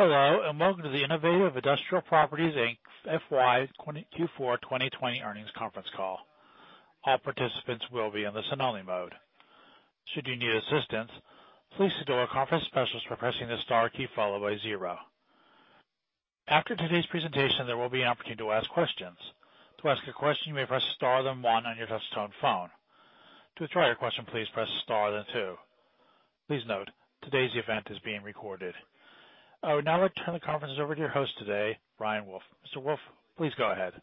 Hello, and welcome to the Innovative Industrial Properties, Inc. FY Q4 2020 earnings conference call. All participants will be on the listen-only mode. Should you need assistance, please signal a conference specialist by pressing the star key followed by zero. After today's presentation, there will be an opportunity to ask questions. To ask a question, you may press star, then one on your touch-tone phone. To withdraw your question, please press star, then two. Please note, today's event is being recorded. I would now like to turn the conference over to your host today, Brian Wolfe. Mr. Wolfe, please go ahead.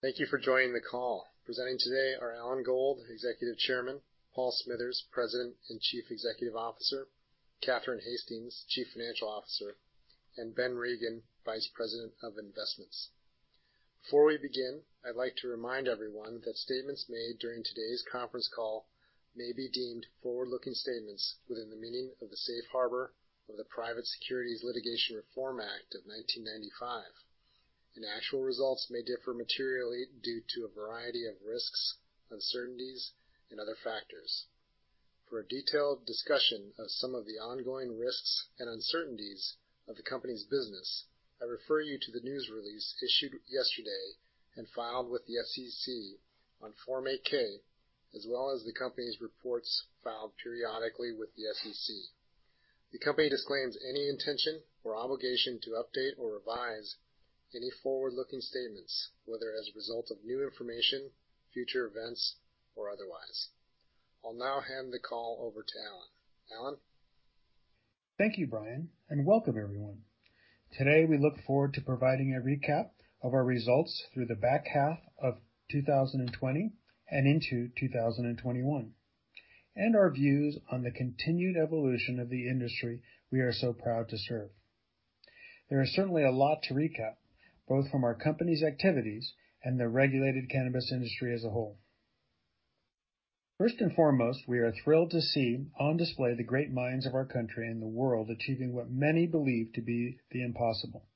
Thank you for joining the call. Presenting today are Alan Gold, Executive Chairman, Paul Smithers, President and Chief Executive Officer, Catherine Hastings, Chief Financial Officer, and Ben Regin, Vice President of Investments. Before we begin, I'd like to remind everyone that statements made during today's conference call may be deemed forward-looking statements within the meaning of the safe harbor of the Private Securities Litigation Reform Act of 1995. Actual results may differ materially due to a variety of risks, uncertainties, and other factors. For a detailed discussion of some of the ongoing risks and uncertainties of the company's business, I refer you to the news release issued yesterday and filed with the SEC on Form 8-K, as well as the company's reports filed periodically with the SEC. The company disclaims any intention or obligation to update or revise any forward-looking statements, whether as a result of new information, future events, or otherwise. I'll now hand the call over to Alan. Alan? Thank you, Brian, and welcome everyone. Today, we look forward to providing a recap of our results through the back half of 2020 and into 2021, and our views on the continued evolution of the industry we are so proud to serve. There is certainly a lot to recap, both from our company's activities and the regulated cannabis industry as a whole. First and foremost, we are thrilled to see on display the great minds of our country and the world achieving what many believe to be the impossible.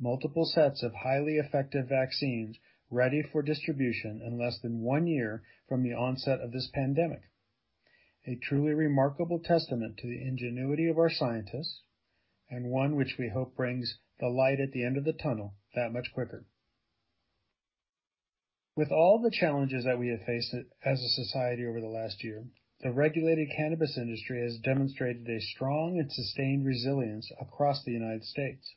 Multiple sets of highly effective vaccines ready for distribution in less than one year from the onset of this pandemic. A truly remarkable testament to the ingenuity of our scientists, and one which we hope brings the light at the end of the tunnel that much quicker. With all the challenges that we have faced as a society over the last year, the regulated cannabis industry has demonstrated a strong and sustained resilience across the United States,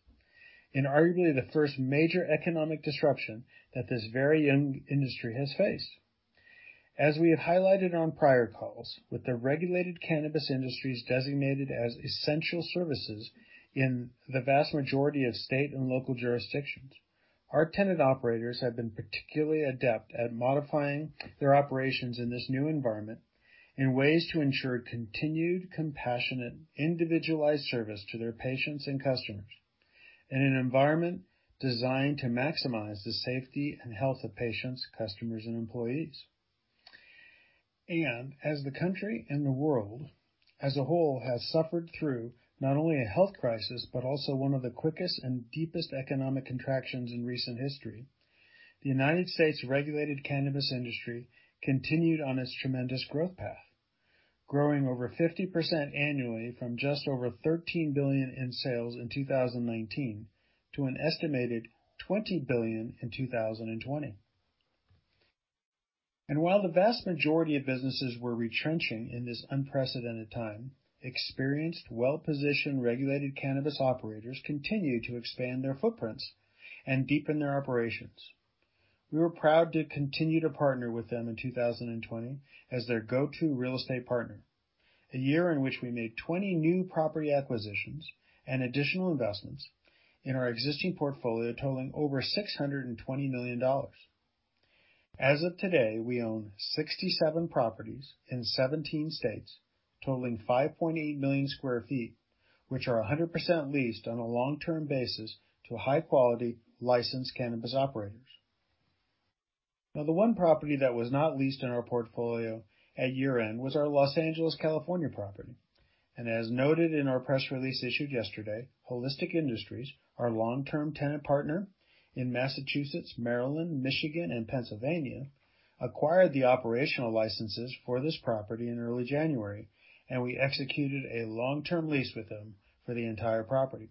inarguably the first major economic disruption that this very young industry has faced. As we have highlighted on prior calls, with the regulated cannabis industries designated as essential services in the vast majority of state and local jurisdictions, our tenant operators have been particularly adept at modifying their operations in this new environment in ways to ensure continued, compassionate, individualized service to their patients and customers, in an environment designed to maximize the safety and health of patients, customers, and employees. As the country and the world as a whole has suffered through not only a health crisis, but also one of the quickest and deepest economic contractions in recent history, the U.S. regulated cannabis industry continued on its tremendous growth path, growing over 50% annually from just over $13 billion in sales in 2019 to an estimated $20 billion in 2020. While the vast majority of businesses were retrenching in this unprecedented time, experienced, well-positioned, regulated cannabis operators continued to expand their footprints and deepen their operations. We were proud to continue to partner with them in 2020 as their go-to real estate partner, a year in which we made 20 new property acquisitions and additional investments in our existing portfolio totaling over $620 million. As of today, we own 67 properties in 17 states, totaling 5.8 million square feet, which are 100% leased on a long-term basis to high-quality licensed cannabis operators. Now, the one property that was not leased in our portfolio at year-end was our Los Angeles, California property. As noted in our press release issued yesterday, Holistic Industries, our long-term tenant partner in Massachusetts, Maryland, Michigan, and Pennsylvania, acquired the operational licenses for this property in early January, and we executed a long-term lease with them for the entire property.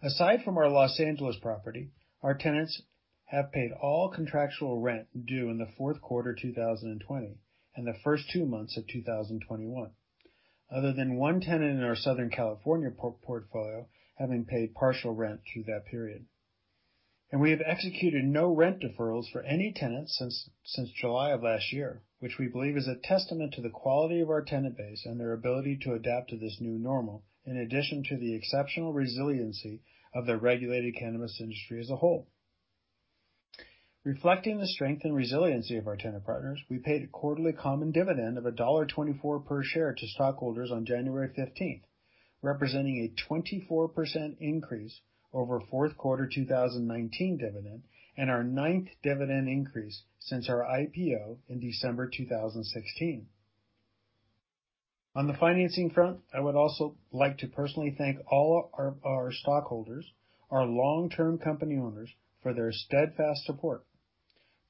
Aside from our Los Angeles property, our tenants have paid all contractual rent due in the fourth quarter 2020 and the first two months of 2021. Other than one tenant in our Southern California portfolio having paid partial rent through that period. We have executed no rent deferrals for any tenants since July of last year, which we believe is a testament to the quality of our tenant base and their ability to adapt to this new normal, in addition to the exceptional resiliency of the regulated cannabis industry as a whole. Reflecting the strength and resiliency of our tenant partners, we paid a quarterly common dividend of $1.24 per share to stockholders on January 15th, representing a 24% increase over Q4 2019 dividend, and our ninth dividend increase since our IPO in December 2016. On the financing front, I would also like to personally thank all our stockholders, our long-term company owners, for their steadfast support,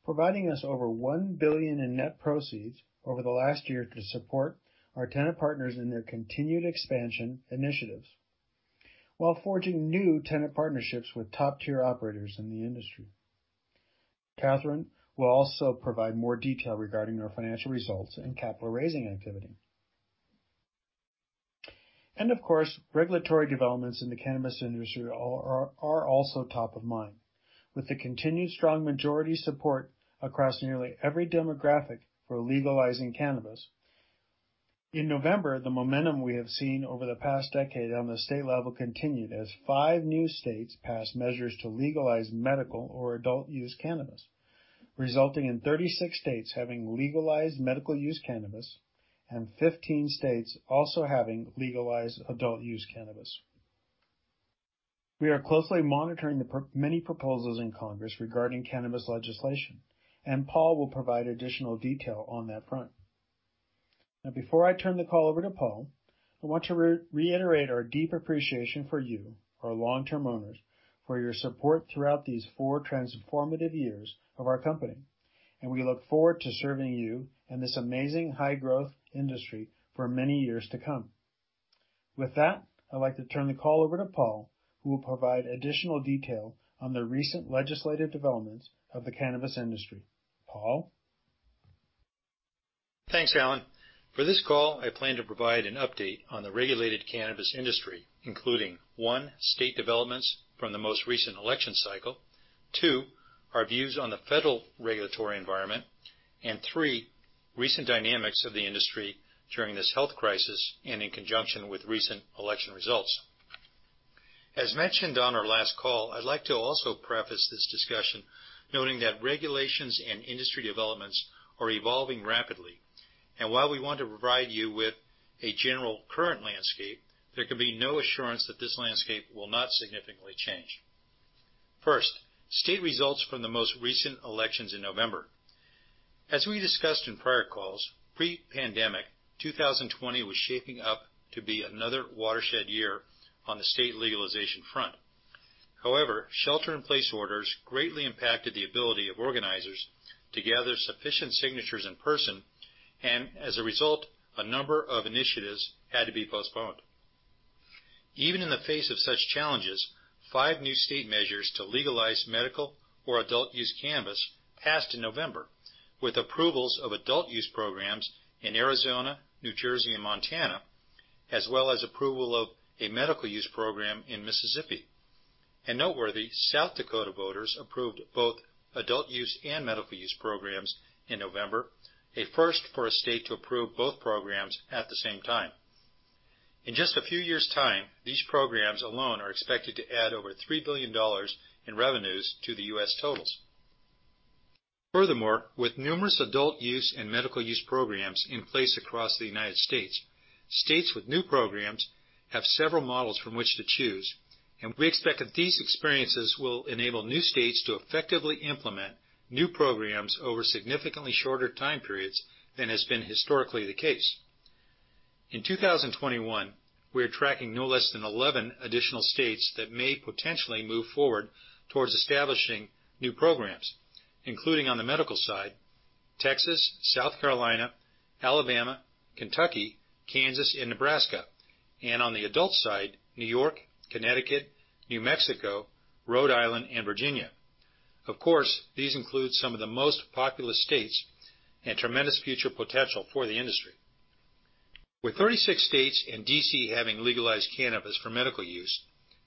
providing us over $1 billion in net proceeds over the last year to support our tenant partners in their continued expansion initiatives, while forging new tenant partnerships with top-tier operators in the industry. Catherine will also provide more detail regarding our financial results and capital raising activity. Of course, regulatory developments in the cannabis industry are also top of mind, with the continued strong majority support across nearly every demographic for legalizing cannabis. In November, the momentum we have seen over the past decade on the state level continued as five new states passed measures to legalize medical or adult-use cannabis, resulting in 36 states having legalized medical-use cannabis, and 15 states also having legalized adult-use cannabis. We are closely monitoring the many proposals in Congress regarding cannabis legislation, and Paul will provide additional detail on that front. Before I turn the call over to Paul, I want to reiterate our deep appreciation for you, our long-term owners, for your support throughout these four transformative years of our company. We look forward to serving you in this amazing high-growth industry for many years to come. With that, I'd like to turn the call over to Paul, who will provide additional detail on the recent legislative developments of the cannabis industry. Paul? Thanks, Alan. For this call, I plan to provide an update on the regulated cannabis industry, including, one, state developments from the most recent election cycle; two, our views on the federal regulatory environment; and three, recent dynamics of the industry during this health crisis and in conjunction with recent election results. As mentioned on our last call, I'd like to also preface this discussion noting that regulations and industry developments are evolving rapidly, and while we want to provide you with a general current landscape, there can be no assurance that this landscape will not significantly change. First, state results from the most recent elections in November. As we discussed in prior calls, pre-pandemic, 2020 was shaping up to be another watershed year on the state legalization front. However, shelter in place orders greatly impacted the ability of organizers to gather sufficient signatures in person, and as a result, a number of initiatives had to be postponed. Even in the face of such challenges, five new state measures to legalize medical or adult-use cannabis passed in November, with approvals of adult use programs in Arizona, New Jersey, and Montana, as well as approval of a medical use program in Mississippi. Noteworthy, South Dakota voters approved both adult-use and medical-use programs in November, a first for a state to approve both programs at the same time. In just a few years' time, these programs alone are expected to add over $3 billion in revenues to the U.S. totals. Furthermore, with numerous adult-use and medical-use programs in place across the United States, states with new programs have several models from which to choose. We expect that these experiences will enable new states to effectively implement new programs over significantly shorter time periods than has been historically the case. In 2021, we are tracking no less than 11 additional states that may potentially move forward towards establishing new programs, including on the medical side, Texas, South Carolina, Alabama, Kentucky, Kansas, and Nebraska. On the adult side, New York, Connecticut, New Mexico, Rhode Island, and Virginia. Of course, these include some of the most populous states and tremendous future potential for the industry. With 36 states and D.C. having legalized cannabis for medical use,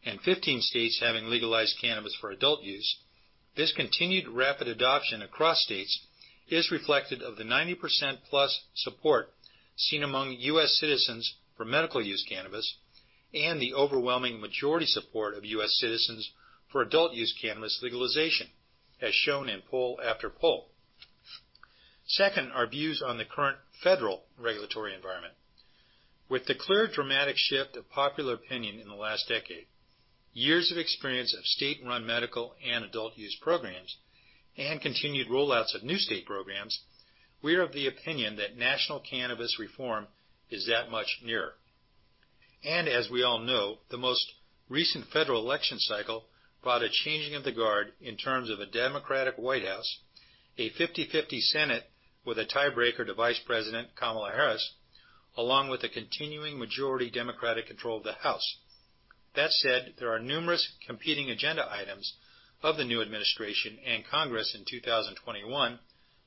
and 15 states having legalized cannabis for adult use, this continued rapid adoption across states is reflected of the 90%+ support seen among U.S. citizens for medical-use cannabis and the overwhelming majority support of U.S. citizens for adult-use cannabis legalization, as shown in poll after poll. Second, our views on the current federal regulatory environment. With the clear dramatic shift of popular opinion in the last decade, years of experience of state-run medical and adult-use programs, and continued roll-outs of new state programs, we are of the opinion that national cannabis reform is that much nearer. As we all know, the most recent federal election cycle brought a changing of the guard in terms of a Democratic White House, a 50/50 Senate with a tiebreaker to Vice President Kamala Harris, along with a continuing majority Democratic control of the House. That said, there are numerous competing agenda items of the new administration and Congress in 2021,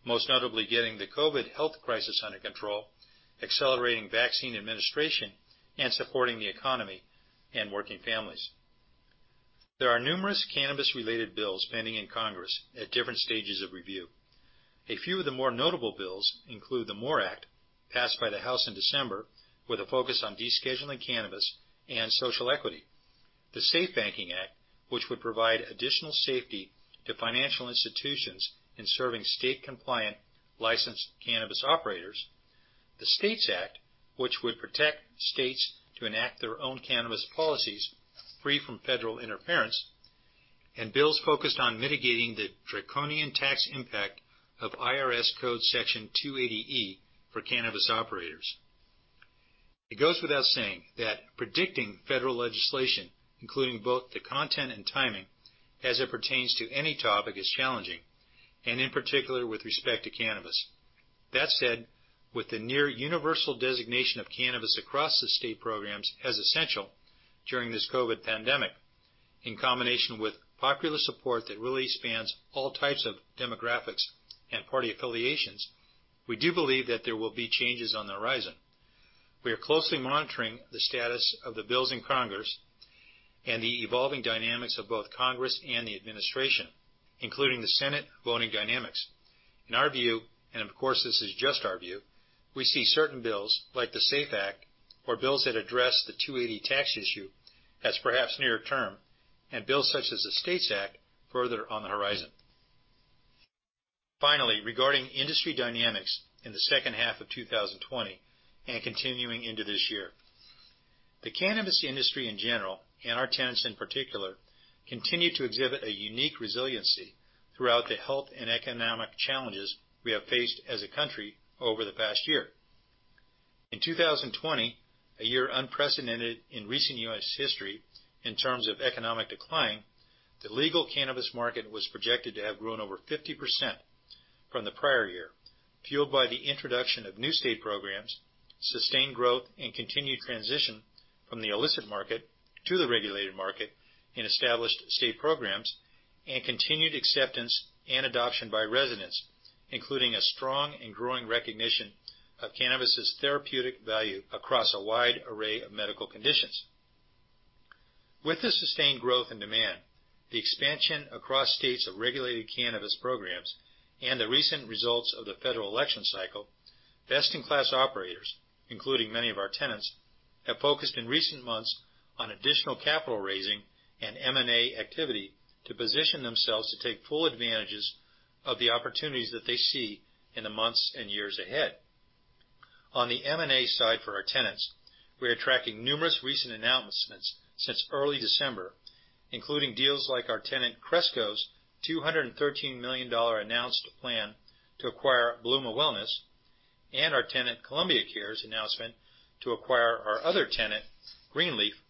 most notably getting the COVID health crisis under control, accelerating vaccine administration, and supporting the economy and working families. There are numerous cannabis-related bills pending in Congress at different stages of review. A few of the more notable bills include the MORE Act, passed by the House in December, with a focus on descheduling cannabis and social equity. The SAFE Banking Act, which would provide additional safety to financial institutions in serving state-compliant licensed cannabis operators. The States Act, which would protect states to enact their own cannabis policies free from federal interference. Bills focused on mitigating the draconian tax impact of IRS Code Section 280E for cannabis operators. It goes without saying that predicting federal legislation, including both the content and timing as it pertains to any topic, is challenging, and in particular with respect to cannabis. That said, with the near universal designation of cannabis across the state programs as essential during this COVID pandemic, in combination with popular support that really spans all types of demographics and party affiliations, we do believe that there will be changes on the horizon. We are closely monitoring the status of the bills in Congress and the evolving dynamics of both Congress and the Administration, including the Senate voting dynamics. In our view, and of course, this is just our view, we see certain bills like the SAFE Act or bills that address the 280 tax issue as perhaps near-term, and bills such as the STATES Act further on the horizon. Finally, regarding industry dynamics in the second half of 2020 and continuing into this year. The cannabis industry in general, and our tenants in particular, continue to exhibit a unique resiliency throughout the health and economic challenges we have faced as a country over the past year. In 2020, a year unprecedented in recent U.S. history in terms of economic decline, the legal cannabis market was projected to have grown over 50% from the prior year, fueled by the introduction of new state programs, sustained growth, and continued transition from the illicit market to the regulated market in established state programs, and continued acceptance and adoption by residents, including a strong and growing recognition of cannabis' therapeutic value across a wide array of medical conditions. With the sustained growth in demand, the expansion across states of regulated cannabis programs, and the recent results of the federal election cycle, best-in-class operators, including many of our tenants, have focused in recent months on additional capital raising and M&A activity to position themselves to take full advantages of the opportunities that they see in the months and years ahead. On the M&A side for our tenants, we are tracking numerous recent announcements since early December, including deals like our tenant Cresco's $213 million announced plan to acquire Bluma Wellness, and our tenant Columbia Care's announcement to acquire our other tenant, Green Leaf Medical,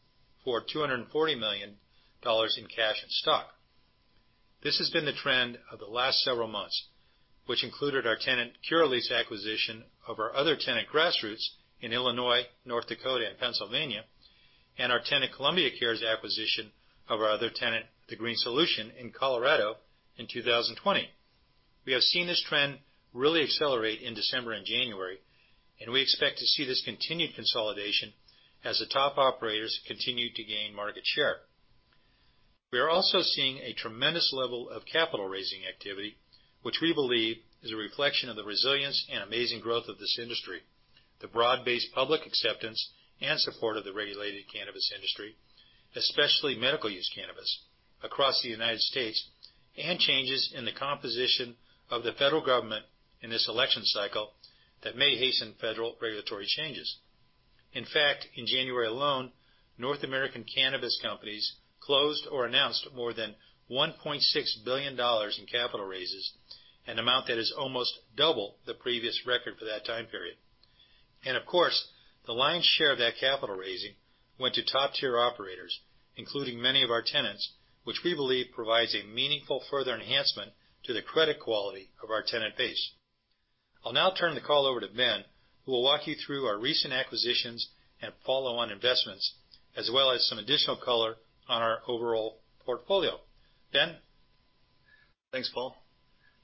for $240 million in cash and stock. This has been the trend of the last several months, which included our tenant Curaleaf's acquisition of our other tenant, Grassroots, in Illinois, North Dakota, and Pennsylvania, and our tenant Columbia Care's acquisition of our other tenant, The Green Solution, in Colorado in 2020. We have seen this trend really accelerate in December and January, we expect to see this continued consolidation as the top operators continue to gain market share. We are also seeing a tremendous level of capital raising activity, which we believe is a reflection of the resilience and amazing growth of this industry, the broad-based public acceptance and support of the regulated cannabis industry, especially medical use cannabis across the United States, and changes in the composition of the federal government in this election cycle that may hasten federal regulatory changes. In fact, in January alone, North American cannabis companies closed or announced more than $1.6 billion in capital raises, an amount that is almost double the previous record for that time period. Of course, the lion's share of that capital raising went to top-tier operators, including many of our tenants, which we believe provides a meaningful further enhancement to the credit quality of our tenant base. I'll now turn the call over to Ben Regin, who will walk you through our recent acquisitions and follow-on investments, as well as some additional color on our overall portfolio. Ben Regin? Thanks, Paul.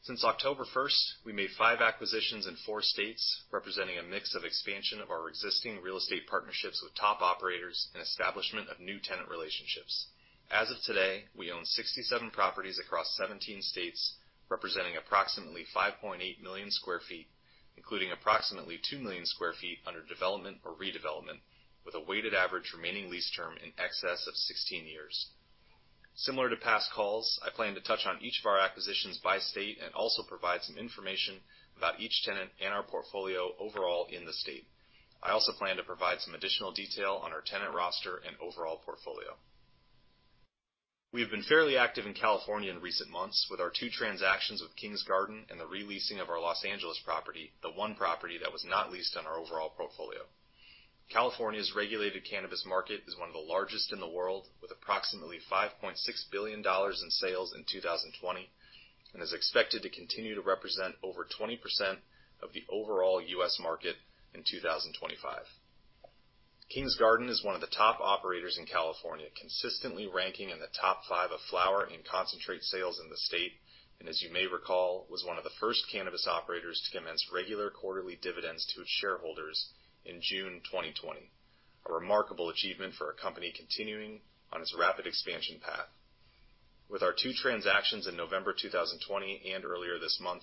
Since October 1st, we made five acquisitions in four states, representing a mix of expansion of our existing real estate partnerships with top operators and establishment of new tenant relationships. As of today, we own 67 properties across 17 states, representing approximately 5.8 million sq ft, including approximately two million sq ft under development or redevelopment, with a weighted average remaining lease term in excess of 16 years. Similar to past calls, I plan to touch on each of our acquisitions by state and also provide some information about each tenant and our portfolio overall in the state. I also plan to provide some additional detail on our tenant roster and overall portfolio. We have been fairly active in California in recent months with our two transactions with Kings Garden and the re-leasing of our Los Angeles property, the one property that was not leased on our overall portfolio. California's regulated cannabis market is one of the largest in the world, with approximately $5.6 billion in sales in 2020, and is expected to continue to represent over 20% of the overall U.S. market in 2025. Kings Garden is one of the top operators in California, consistently ranking in the top five of flower and concentrate sales in the state, and as you may recall, was one of the first cannabis operators to commence regular quarterly dividends to its shareholders in June 2020. A remarkable achievement for a company continuing on its rapid expansion path. With our two transactions in November 2020 and earlier this month,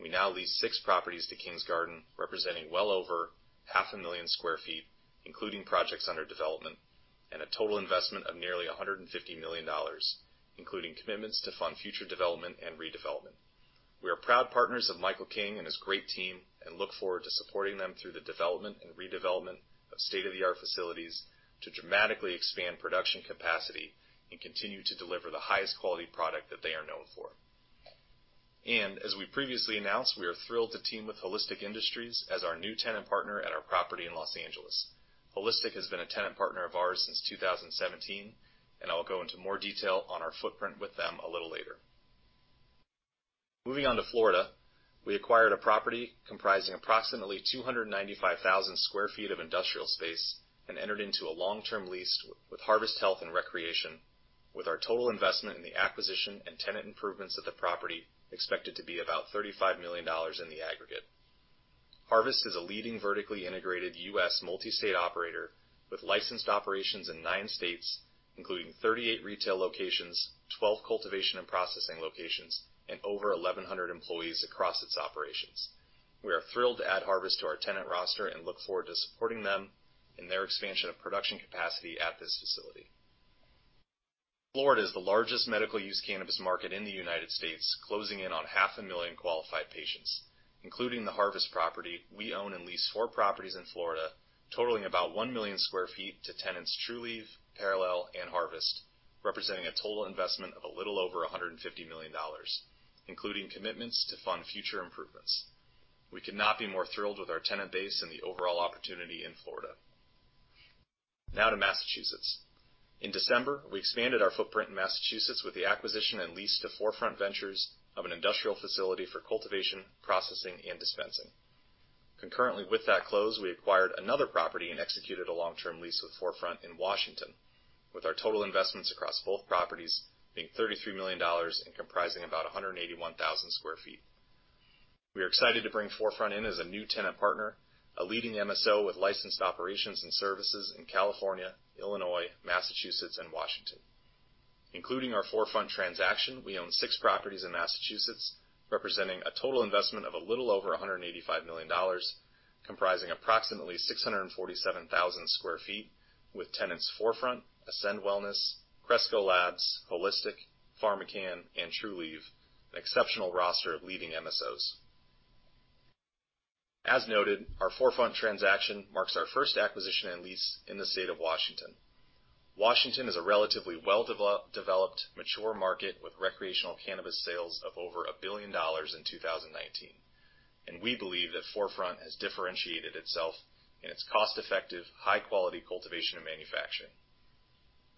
we now lease six properties to Kings Garden, representing well over half a million sq ft, including projects under development, and a total investment of nearly $150 million, including commitments to fund future development and redevelopment. We are proud partners of Michael Kim and his great team and look forward to supporting them through the development and redevelopment of state-of-the-art facilities to dramatically expand production capacity and continue to deliver the highest quality product that they are known for. As we previously announced, we are thrilled to team with Holistic Industries as our new tenant partner at our property in Los Angeles. Holistic has been a tenant partner of ours since 2017, and I will go into more detail on our footprint with them a little later. Moving on to Florida, we acquired a property comprising approximately 295,000 sq ft of industrial space and entered into a long-term lease with Harvest Health & Recreation, with our total investment in the acquisition and tenant improvements at the property expected to be about $35 million in the aggregate. Harvest is a leading vertically integrated U.S. multi-state operator with licensed operations in nine states, including 38 retail locations, 12 cultivation and processing locations, and over 1,100 employees across its operations. We are thrilled to add Harvest to our tenant roster and look forward to supporting them in their expansion of production capacity at this facility. Florida is the largest medical use cannabis market in the United States, closing in on half a million qualified patients. Including the Harvest property, we own and lease four properties in Florida, totaling about 1 million square feet to tenants Trulieve, Parallel, and Harvest, representing a total investment of a little over $150 million, including commitments to fund future improvements. We could not be more thrilled with our tenant base and the overall opportunity in Florida. To Massachusetts. In December, we expanded our footprint in Massachusetts with the acquisition and lease to 4Front Ventures of an industrial facility for cultivation, processing, and dispensing. Concurrently with that close, we acquired another property and executed a long-term lease with 4Front in Washington, with our total investments across both properties being $33 million and comprising about 181,000 sq ft. We are excited to bring 4Front in as a new tenant partner, a leading MSO with licensed operations and services in California, Illinois, Massachusetts, and Washington. Including our 4Front transaction, we own six properties in Massachusetts, representing a total investment of a little over $185 million, comprising approximately 647,000 sq ft, with tenants 4Front, Ascend Wellness, Cresco Labs, Holistic, PharmaCann, and Trulieve, an exceptional roster of leading MSOs. As noted, our 4Front transaction marks our first acquisition and lease in the state of Washington. Washington is a relatively well-developed, mature market with recreational cannabis sales of over $1 billion in 2019. We believe that 4Front has differentiated itself in its cost-effective, high-quality cultivation and manufacturing.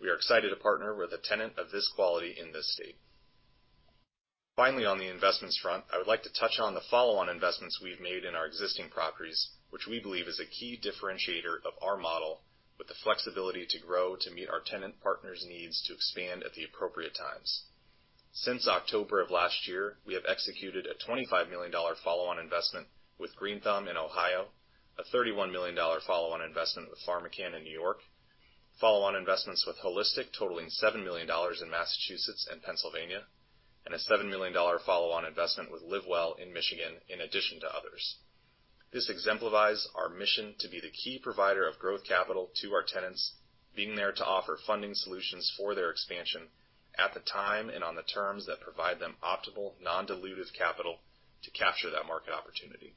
We are excited to partner with a tenant of this quality in this state. On the investments front, I would like to touch on the follow-on investments we've made in our existing properties, which we believe is a key differentiator of our model, with the flexibility to grow to meet our tenant partners' needs to expand at the appropriate times. Since October of last year, we have executed a $25 million follow-on investment with Green Thumb in Ohio, a $31 million follow-on investment with PharmaCann in New York, follow-on investments with Holistic totaling $7 million in Massachusetts and Pennsylvania, and a $7 million follow-on investment with LivWell in Michigan, in addition to others. This exemplifies our mission to be the key provider of growth capital to our tenants, being there to offer funding solutions for their expansion at the time and on the terms that provide them optimal, non-dilutive capital to capture that market opportunity.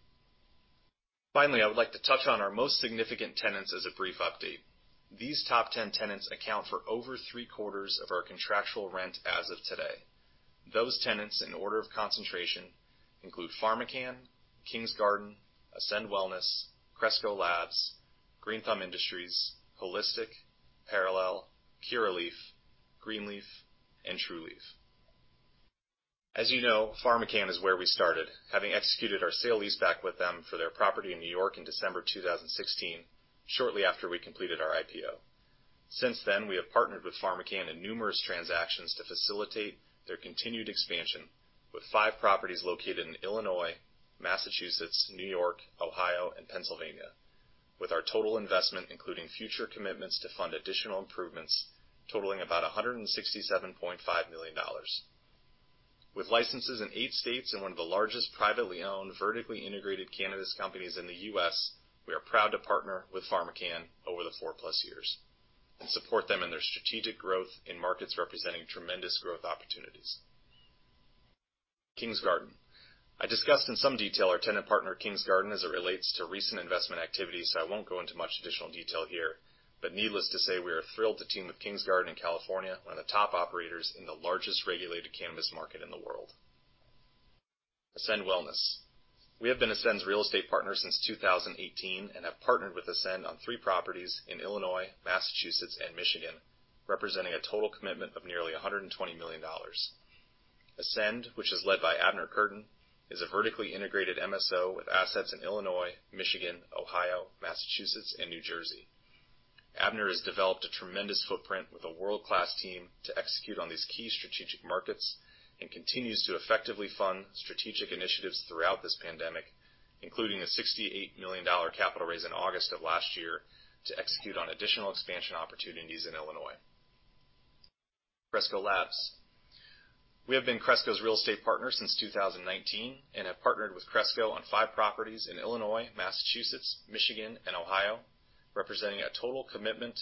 Finally, I would like to touch on our most significant tenants as a brief update. These top 10 tenants account for over Q3 of our contractual rent as of today. Those tenants, in order of concentration, include PharmaCann, Kings Garden, Ascend Wellness, Cresco Labs, Green Thumb Industries, Holistic, Parallel, Curaleaf, Green Leaf Medical, and Trulieve. As you know, PharmaCann is where we started, having executed our sale-leaseback with them for their property in New York in December 2016, shortly after we completed our IPO. Since then, we have partnered with PharmaCann in numerous transactions to facilitate their continued expansion, with five properties located in Illinois, Massachusetts, New York, Ohio, and Pennsylvania, with our total investment, including future commitments to fund additional improvements, totaling about $167.5 million. With licenses in eight states and one of the largest privately owned vertically integrated cannabis companies in the U.S., we are proud to partner with PharmaCann over the four-plus years and support them in their strategic growth in markets representing tremendous growth opportunities. Kings Garden. I discussed in some detail our tenant partner, Kings Garden, as it relates to recent investment activity, so I won't go into much additional detail here. Needless to say, we are thrilled to team with Kings Garden in California, one of the top operators in the largest regulated cannabis market in the world. Ascend Wellness. We have been Ascend's real estate partner since 2018 and have partnered with Ascend on three properties in Illinois, Massachusetts, and Michigan, representing a total commitment of nearly $120 million. Ascend, which is led by Abner Kurtin, is a vertically integrated MSO with assets in Illinois, Michigan, Ohio, Massachusetts, and New Jersey. Abner has developed a tremendous footprint with a world-class team to execute on these key strategic markets and continues to effectively fund strategic initiatives throughout this pandemic, including a $68 million capital raise in August of last year to execute on additional expansion opportunities in Illinois. Cresco Labs. We have been Cresco's real estate partner since 2019 and have partnered with Cresco on five properties in Illinois, Massachusetts, Michigan, and Ohio, representing a total commitment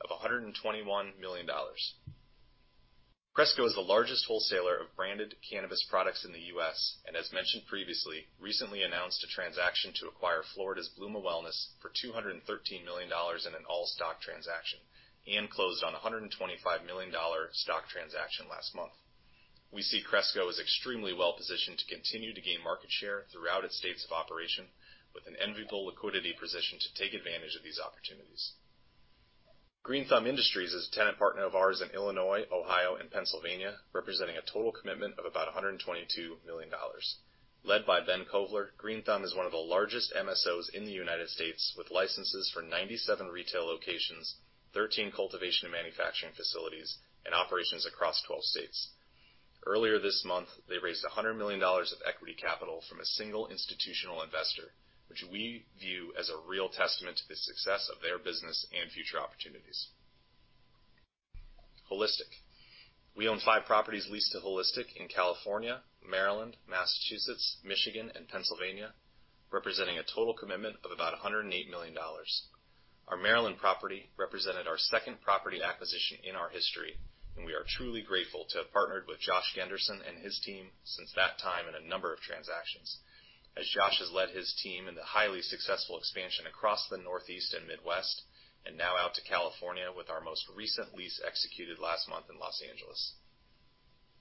of $121 million. Cresco is the largest wholesaler of branded cannabis products in the U.S., and as mentioned previously, recently announced a transaction to acquire Florida's Bluma Wellness for $213 million in an all-stock transaction, and closed on a $125 million stock transaction last month. We see Cresco as extremely well-positioned to continue to gain market share throughout its states of operation, with an enviable liquidity position to take advantage of these opportunities. Green Thumb Industries is a tenant partner of ours in Illinois, Ohio, and Pennsylvania, representing a total commitment of about $122 million. Led by Ben Kovler, Green Thumb is one of the largest MSOs in the United States, with licenses for 97 retail locations, 13 cultivation and manufacturing facilities, and operations across 12 states. Earlier this month, they raised $100 million of equity capital from a single institutional investor, which we view as a real testament to the success of their business and future opportunities. Holistic. We own five properties leased to Holistic in California, Maryland, Massachusetts, Michigan, and Pennsylvania, representing a total commitment of about $108 million. Our Maryland property represented our second property acquisition in our history, and we are truly grateful to have partnered with Josh Kunkel and his team since that time in a number of transactions, as Josh has led his team in the highly successful expansion across the Northeast and Midwest, and now out to California with our most recent lease executed last month in Los Angeles.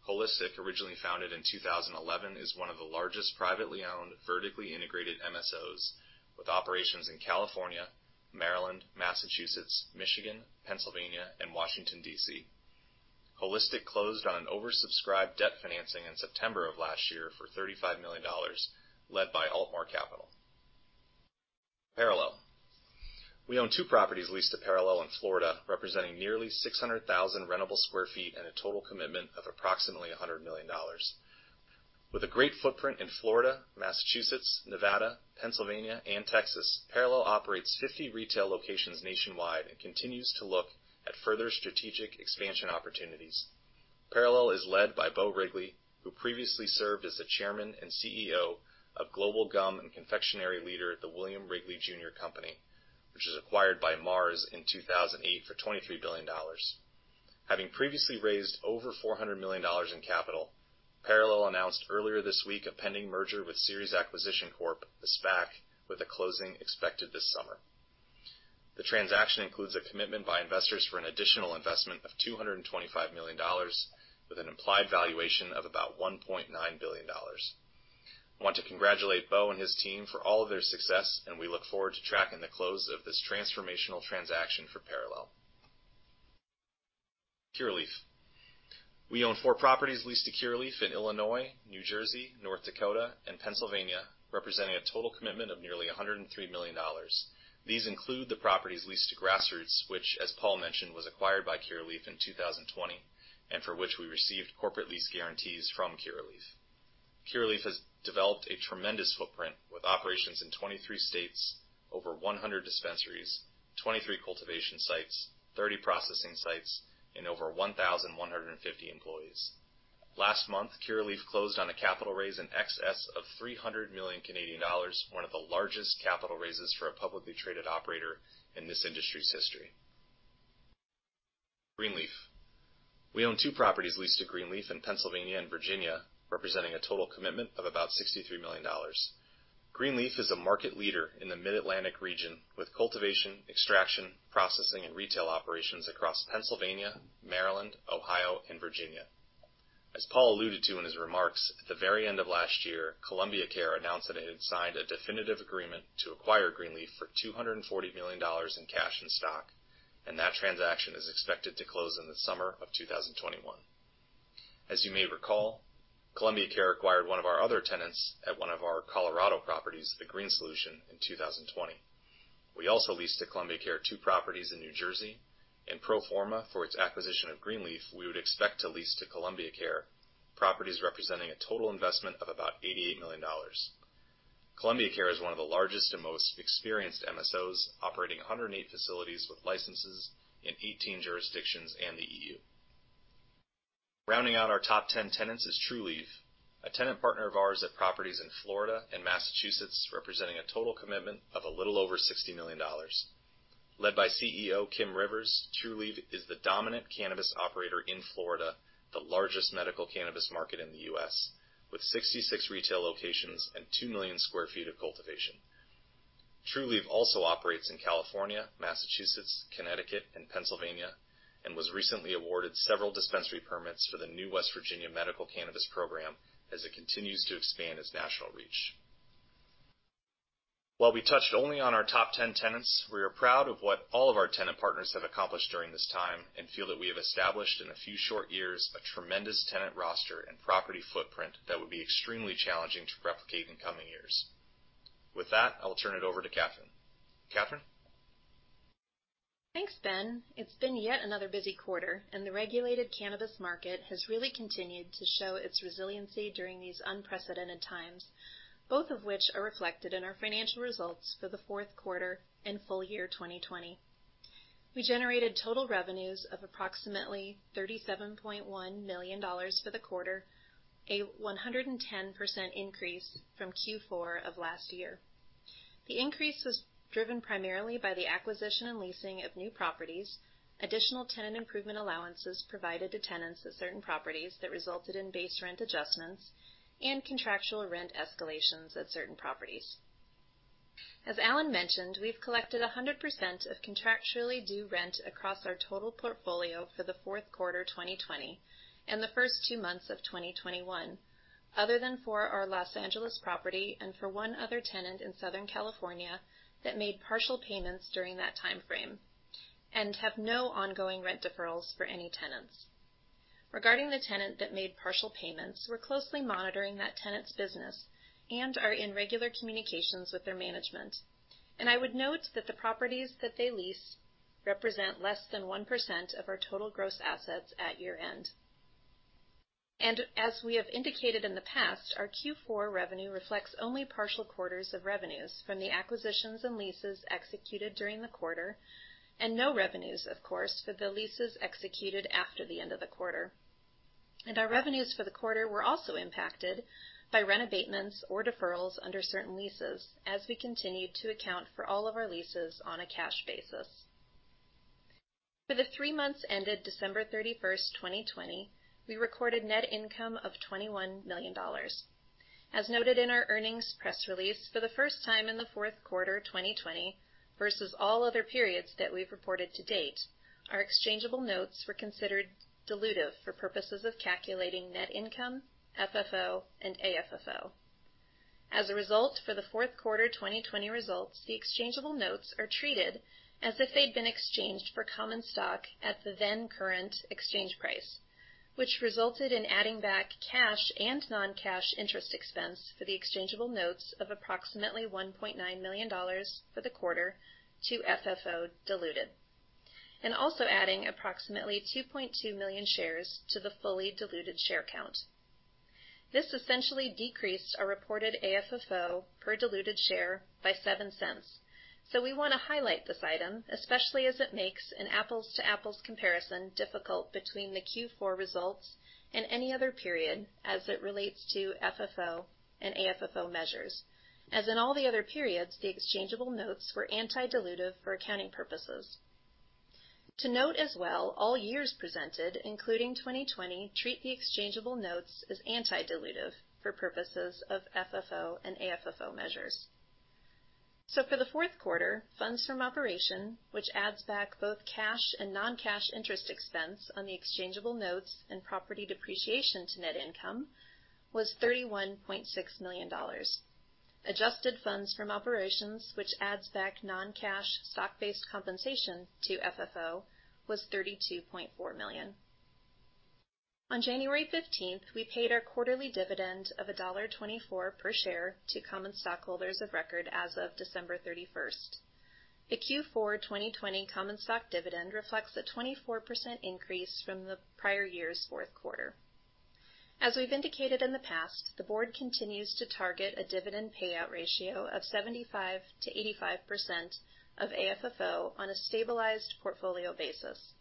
Holistic, originally founded in 2011, is one of the largest privately owned, vertically integrated MSOs, with operations in California, Maryland, Massachusetts, Michigan, Pennsylvania, and Washington, D.C. Holistic closed on an oversubscribed debt financing in September of last year for $35 million, led by Altmore Capital. Parallel. We own two properties leased to Parallel in Florida, representing nearly 600,000 rentable sq ft and a total commitment of approximately $100 million. With a great footprint in Florida, Massachusetts, Nevada, Pennsylvania, and Texas, Parallel operates 50 retail locations nationwide and continues to look at further strategic expansion opportunities. Parallel is led by Beau Wrigley, who previously served as the Chairman and CEO of global gum and confectionery leader at the Wm. Wrigley Jr. Company, which was acquired by Mars in 2008 for $23 billion. Having previously raised over $400 million in capital, Parallel announced earlier this week a pending merger with Ceres Acquisition Corp., a SPAC, with a closing expected this summer. The transaction includes a commitment by investors for an additional investment of $225 million, with an implied valuation of about $1.9 billion. I want to congratulate Beau and his team for all of their success, and we look forward to tracking the close of this transformational transaction for Parallel. Curaleaf. We own four properties leased to Curaleaf in Illinois, New Jersey, North Dakota, and Pennsylvania, representing a total commitment of nearly $103 million. These include the properties leased to Grassroots, which, as Paul mentioned, was acquired by Curaleaf in 2020, and for which we received corporate lease guarantees from Curaleaf. Curaleaf has developed a tremendous footprint, with operations in 23 states, over 100 dispensaries, 23 cultivation sites, 30 processing sites, and over 1,150 employees. Last month, Curaleaf closed on a capital raise in excess of 300 million Canadian dollars, one of the largest capital raises for a publicly traded operator in this industry's history. Green Leaf Medical. We own two properties leased to Green Leaf Medical in Pennsylvania and Virginia, representing a total commitment of about $63 million. Green Leaf Medical is a market leader in the Mid-Atlantic region, with cultivation, extraction, processing, and retail operations across Pennsylvania, Maryland, Ohio, and Virginia. As Paul alluded to in his remarks, at the very end of last year, Columbia Care announced that it had signed a definitive agreement to acquire Green Leaf Medical for $240 million in cash and stock. That transaction is expected to close in the summer of 2021. As you may recall, Columbia Care acquired one of our other tenants at one of our Colorado properties, The Green Solution, in 2020. We also leased to Columbia Care two properties in New Jersey. In pro forma for its acquisition of Green Leaf Medical, we would expect to lease to Columbia Care properties representing a total investment of about $88 million. Columbia Care is one of the largest and most experienced MSOs, operating 108 facilities with licenses in 18 jurisdictions and the EU. Rounding out our top 10 tenants is Trulieve, a tenant partner of ours at properties in Florida and Massachusetts, representing a total commitment of a little over $60 million. Led by CEO Kim Rivers, Trulieve is the dominant cannabis operator in Florida, the largest medical cannabis market in the U.S., with 66 retail locations and two million square feet of cultivation. Trulieve also operates in California, Massachusetts, Connecticut, and Pennsylvania, and was recently awarded several dispensary permits for the new West Virginia Medical Cannabis Program as it continues to expand its national reach. While we touched only on our top 10 tenants, we are proud of what all of our tenant partners have accomplished during this time and feel that we have established in a few short years a tremendous tenant roster and property footprint that would be extremely challenging to replicate in coming years. With that, I will turn it over to Catherine. Catherine? Thanks, Ben. It's been yet another busy quarter, and the regulated cannabis market has really continued to show its resiliency during these unprecedented times, both of which are reflected in our financial results for the Q4 and full year 2020. We generated total revenues of approximately $37.1 million for the quarter, a 110% increase from Q4 of last year. The increase was driven primarily by the acquisition and leasing of new properties, additional tenant improvement allowances provided to tenants at certain properties that resulted in base rent adjustments, and contractual rent escalations at certain properties. As Alan mentioned, we've collected 100% of contractually due rent across our total portfolio for the Q4 2020 and the first two months of 2021, other than for our L.A. property and for one other tenant in Southern California that made partial payments during that timeframe and have no ongoing rent deferrals for any tenants. Regarding the tenant that made partial payments, we're closely monitoring that tenant's business and are in regular communications with their management, and I would note that the properties that they lease represent less than one percent of our total gross assets at year-end. As we have indicated in the past, our Q4 revenue reflects only partial quarters of revenues from the acquisitions and leases executed during the quarter, and no revenues, of course, for the leases executed after the end of the quarter. Our revenues for the quarter were also impacted by rent abatements or deferrals under certain leases as we continued to account for all of our leases on a cash basis. For the three months ended December 31, 2020, we recorded net income of $21 million. As noted in our earnings press release, for the first time in the fourth quarter 2020 versus all other periods that we've reported to date, our exchangeable notes were considered dilutive for purposes of calculating net income, FFO, and AFFO. As a result, for the Q4 2020 results, the exchangeable notes are treated as if they'd been exchanged for common stock at the then-current exchange price, which resulted in adding back cash and non-cash interest expense for the exchangeable notes of approximately $1.9 million for the quarter to FFO diluted, and also adding approximately 2.2 million shares to the fully diluted share count. This essentially decreased our reported AFFO per diluted share by $0.07. We want to highlight this item, especially as it makes an apples-to-apples comparison difficult between the Q4 results and any other period as it relates to FFO and AFFO measures. As in all the other periods, the exchangeable notes were anti-dilutive for accounting purposes. To note as well, all years presented, including 2020, treat the exchangeable notes as anti-dilutive for purposes of FFO and AFFO measures. For the Q4, funds from operation, which adds back both cash and non-cash interest expense on the exchangeable notes and property depreciation to net income, was $31.6 million. Adjusted funds from operations, which adds back non-cash stock-based compensation to FFO, was $32.4 million. On January 15th, we paid our quarterly dividend of $1.24 per share to common stockholders of record as of December 31st. The Q4 2020 common stock dividend reflects a 24% increase from the prior year's Q4. As we've indicated in the past, the board continues to target a dividend payout ratio of 75%-85% of AFFO on a stabilized portfolio basis.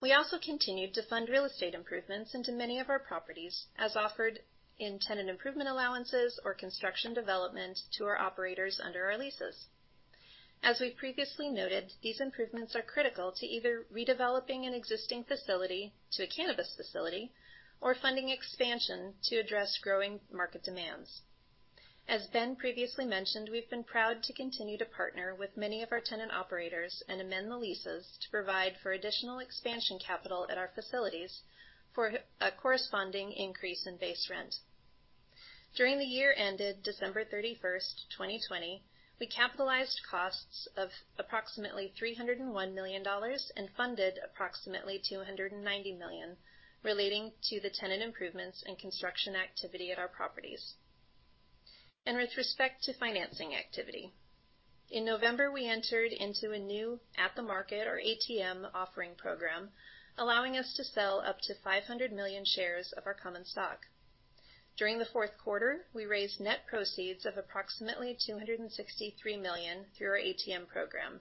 We also continued to fund real estate improvements into many of our properties, as offered in tenant improvement allowances or construction development to our operators under our leases. As we've previously noted, these improvements are critical to either redeveloping an existing facility to a cannabis facility or funding expansion to address growing market demands. As Ben previously mentioned, we've been proud to continue to partner with many of our tenant operators and amend the leases to provide for additional expansion capital at our facilities for a corresponding increase in base rent. During the year ended December 31st, 2020, we capitalized costs of approximately $301 million and funded approximately $290 million relating to the tenant improvements and construction activity at our properties. With respect to financing activity, in November, we entered into a new at-the-market, or ATM, offering program, allowing us to sell up to 500 million shares of our common stock. During the Q4, we raised net proceeds of approximately $263 million through our ATM program,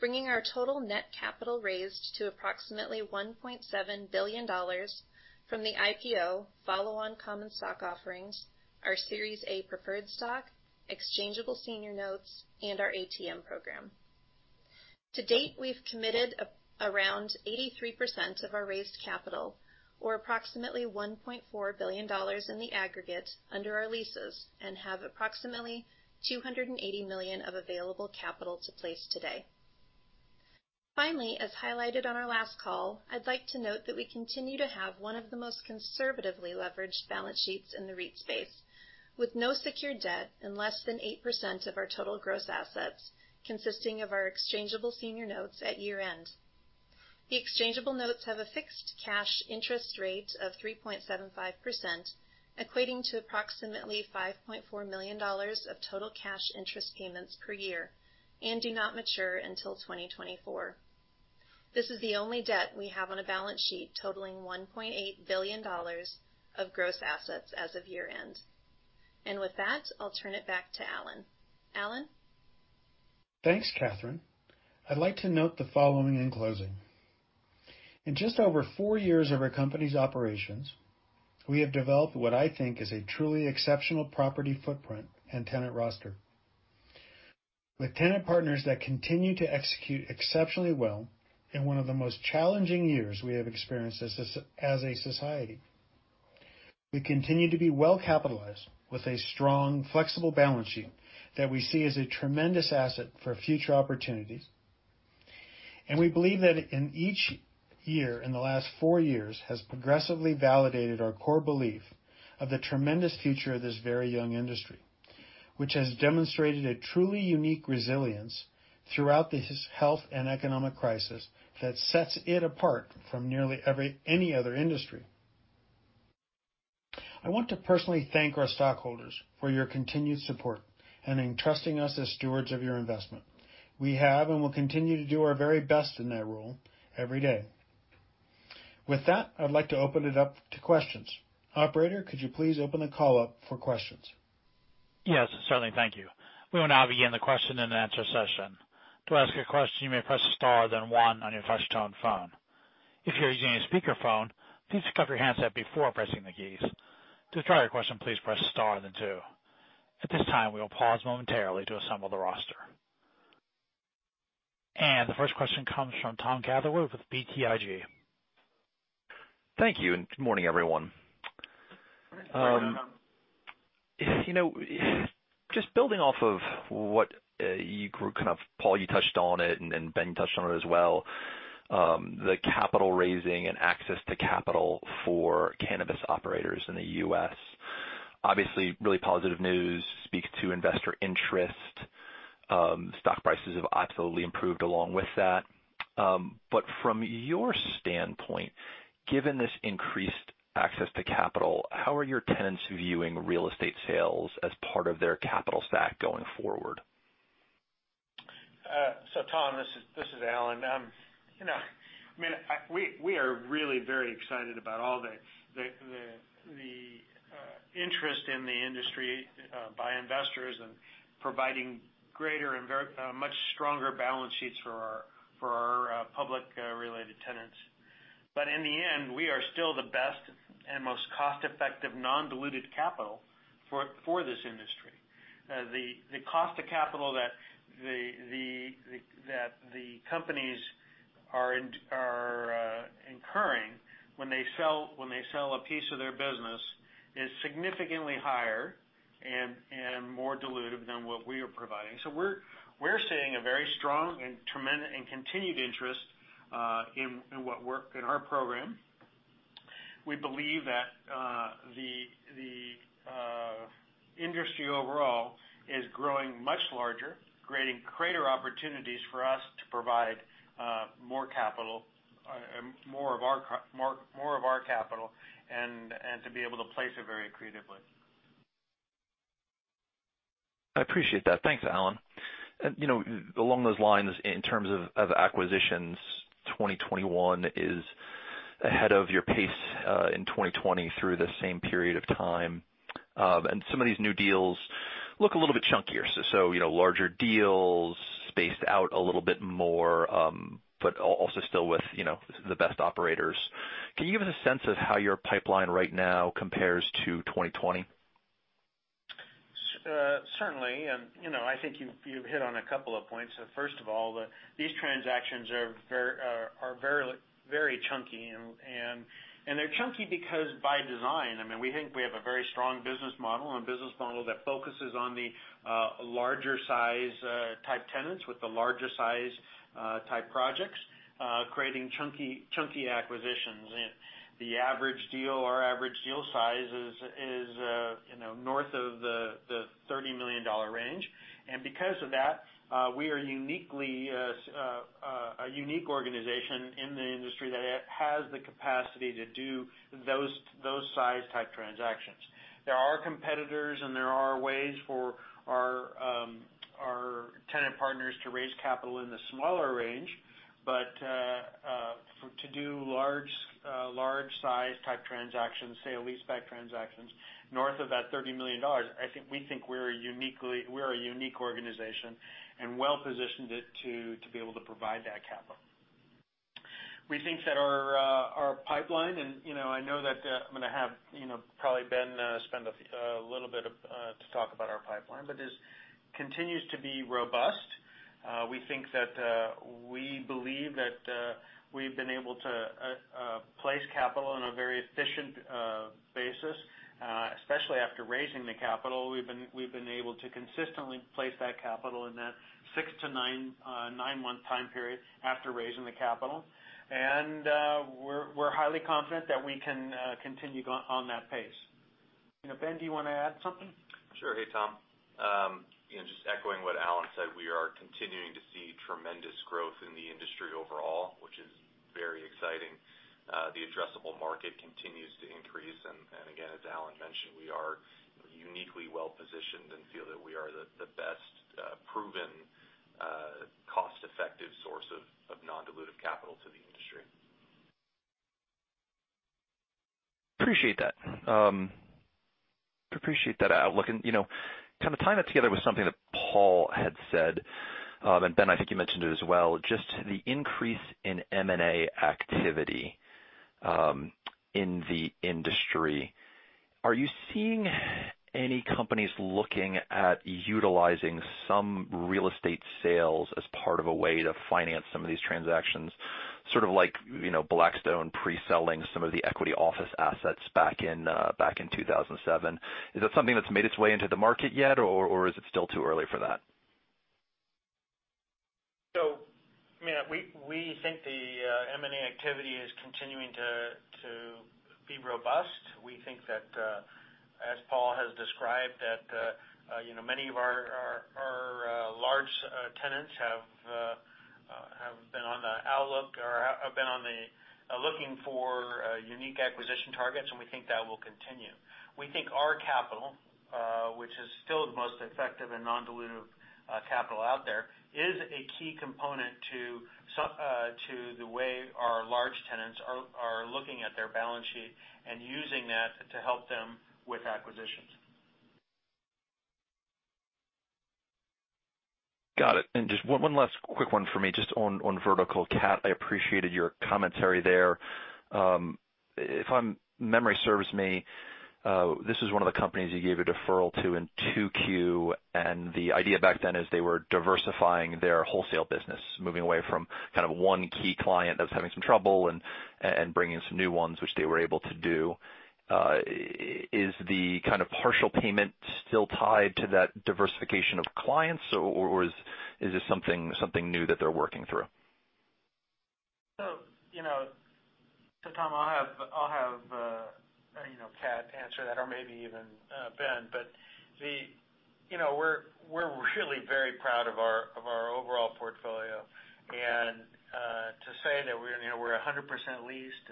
bringing our total net capital raised to approximately $1.7 billion from the IPO, follow-on common stock offerings, our Series A preferred stock, exchangeable senior notes, and our ATM program. To date, we've committed around 83% of our raised capital, or approximately $1.4 billion in the aggregate, under our leases and have approximately $280 million of available capital to place today. Finally, as highlighted on our last call, I'd like to note that we continue to have one of the most conservatively leveraged balance sheets in the REIT space, with no secured debt and less than eight percent of our total gross assets consisting of our exchangeable senior notes at year-end. The exchangeable notes have a fixed cash interest rate of 3.75%, equating to approximately $5.4 million of total cash interest payments per year, and do not mature until 2024. This is the only debt we have on a balance sheet totaling $1.8 billion of gross assets as of year-end. With that, I'll turn it back to Alan. Alan? Thanks, Catherine. I'd like to note the following in closing. In just over four years of our company's operations, we have developed what I think is a truly exceptional property footprint and tenant roster. With tenant partners that continue to execute exceptionally well in one of the most challenging years we have experienced as a society. We continue to be well-capitalized with a strong, flexible balance sheet that we see as a tremendous asset for future opportunities. We believe that in each year in the last four years has progressively validated our core belief of the tremendous future of this very young industry, which has demonstrated a truly unique resilience throughout this health and economic crisis that sets it apart from nearly any other industry. I want to personally thank our stockholders for your continued support and in trusting us as stewards of your investment. We have and will continue to do our very best in that role every day. With that, I'd like to open it up to questions. Operator, could you please open the call up for questions? Yes, certainly. Thank you. We will now begin the question and answer session. The first question comes from Thomas Catherwood with BTIG. Thank you, and good morning, everyone. Just building off of what you, Paul, touched on it, and Ben touched on it as well. The capital raising and access to capital for cannabis operators in the U.S. Obviously, really positive news speaks to investor interest. Stock prices have absolutely improved along with that. From your standpoint, given this increased access to capital, how are your tenants viewing real estate sales as part of their capital stack going forward? Tom, this is Alan. We are really very excited about all the interest in the industry by investors and providing greater and much stronger balance sheets for our public-related tenants. In the end, we are still the best and most cost-effective non-dilutive capital for this industry. The cost of capital that the companies are incurring when they sell a piece of their business is significantly higher and more dilutive than what we are providing. We're seeing a very strong and continued interest in our program. We believe that the industry overall is growing much larger, creating greater opportunities for us to provide more of our capital, and to be able to place it very creatively. I appreciate that. Thanks, Alan. Along those lines, in terms of acquisitions, 2021 is ahead of your pace in 2020 through the same period of time. Some of these new deals look a little bit chunkier. Larger deals, spaced out a little bit more, but also still with the best operators. Can you give us a sense of how your pipeline right now compares to 2020? Certainly. I think you've hit on a couple of points. First of all, these transactions are very chunky, and they're chunky because by design, we think we have a very strong business model, and a business model that focuses on the larger size type tenants with the larger size type projects, creating chunky acquisitions. The average deal or average deal size is north of the $30 million range. Because of that, we are a unique organization in the industry that has the capacity to do those size type transactions. There are competitors and there are ways for our tenant partners to raise capital in the smaller range. To do large size type transactions, say a leaseback transactions north of that $30 million, we think we're a unique organization and well-positioned to be able to provide that capital. We think that our pipeline, and I know that I'm going to have probably Ben spend a little bit to talk about our pipeline, but this continues to be robust. We believe that we've been able to place capital in a very efficient basis, especially after raising the capital. We've been able to consistently place that capital in that six - nine-month time period after raising the capital. We're highly confident that we can continue on that pace. Ben, do you want to add something? Sure. Hey, Tom. Just echoing what Alan said, we are continuing to see tremendous growth in the industry overall, which is very exciting. The addressable market continues to increase, and again, as Alan mentioned, we are uniquely well-positioned and feel that we are the best proven cost-effective source of non-dilutive capital to the industry. Appreciate that. Appreciate that outlook. To tie that together with something that Paul had said, and Ben, I think you mentioned it as well, just the increase in M&A activity in the industry. Are you seeing any companies looking at utilizing some real estate sales as part of a way to finance some of these transactions, sort of like Blackstone pre-selling some of the equity office assets back in 2007? Is that something that's made its way into the market yet, or is it still too early for that? We think the M&A activity is continuing to be robust. We think that, as Paul has described, that many of our large tenants have been on the outlook or have been looking for unique acquisition targets, and we think that will continue. We think our capital, which is still the most effective and non-dilutive capital out there, is a key component to the way our large tenants are looking at their balance sheet and using that to help them with acquisitions. Got it. Just one last quick one for me, just on Vertical. Cat, I appreciated your commentary there. If memory serves me, this is one of the companies you gave a deferral to in 2Q, and the idea back then is they were diversifying their wholesale business, moving away from kind of one key client that was having some trouble and bringing some new ones, which they were able to do. Is the kind of partial payment still tied to that diversification of clients, or is this something new that they're working through? Tom, I'll have Cat answer that, or maybe even Ben. We're really very proud of our overall portfolio. To say that we're 100% leased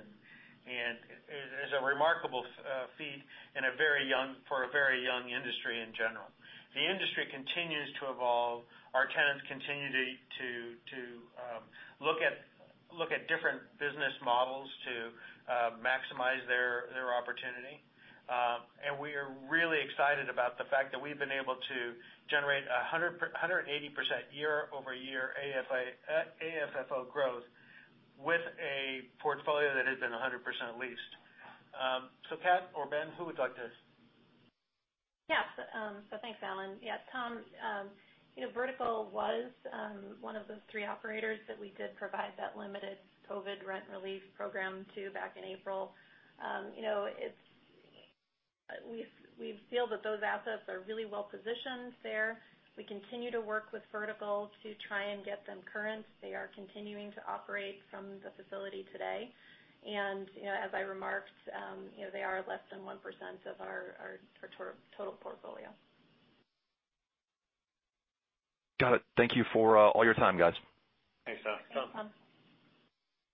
is a remarkable feat for a very young industry in general. The industry continues to evolve. Our tenants continue to look at different business models to maximize their opportunity. We are really excited about the fact that we've been able to generate 180% year-over-year AFFO growth with a portfolio that has been 100% leased. Cat or Ben, who would like to Thanks, Alan. Tom, Vertical was one of those three operators that we did provide that limited COVID rent relief program to back in April. We feel that those assets are really well-positioned there. We continue to work with Vertical to try and get them current. They are continuing to operate from the facility today. As I remarked, they are less than one percent of our total portfolio. Got it. Thank you for all your time, guys. Thanks, Tom. Thanks, Tom.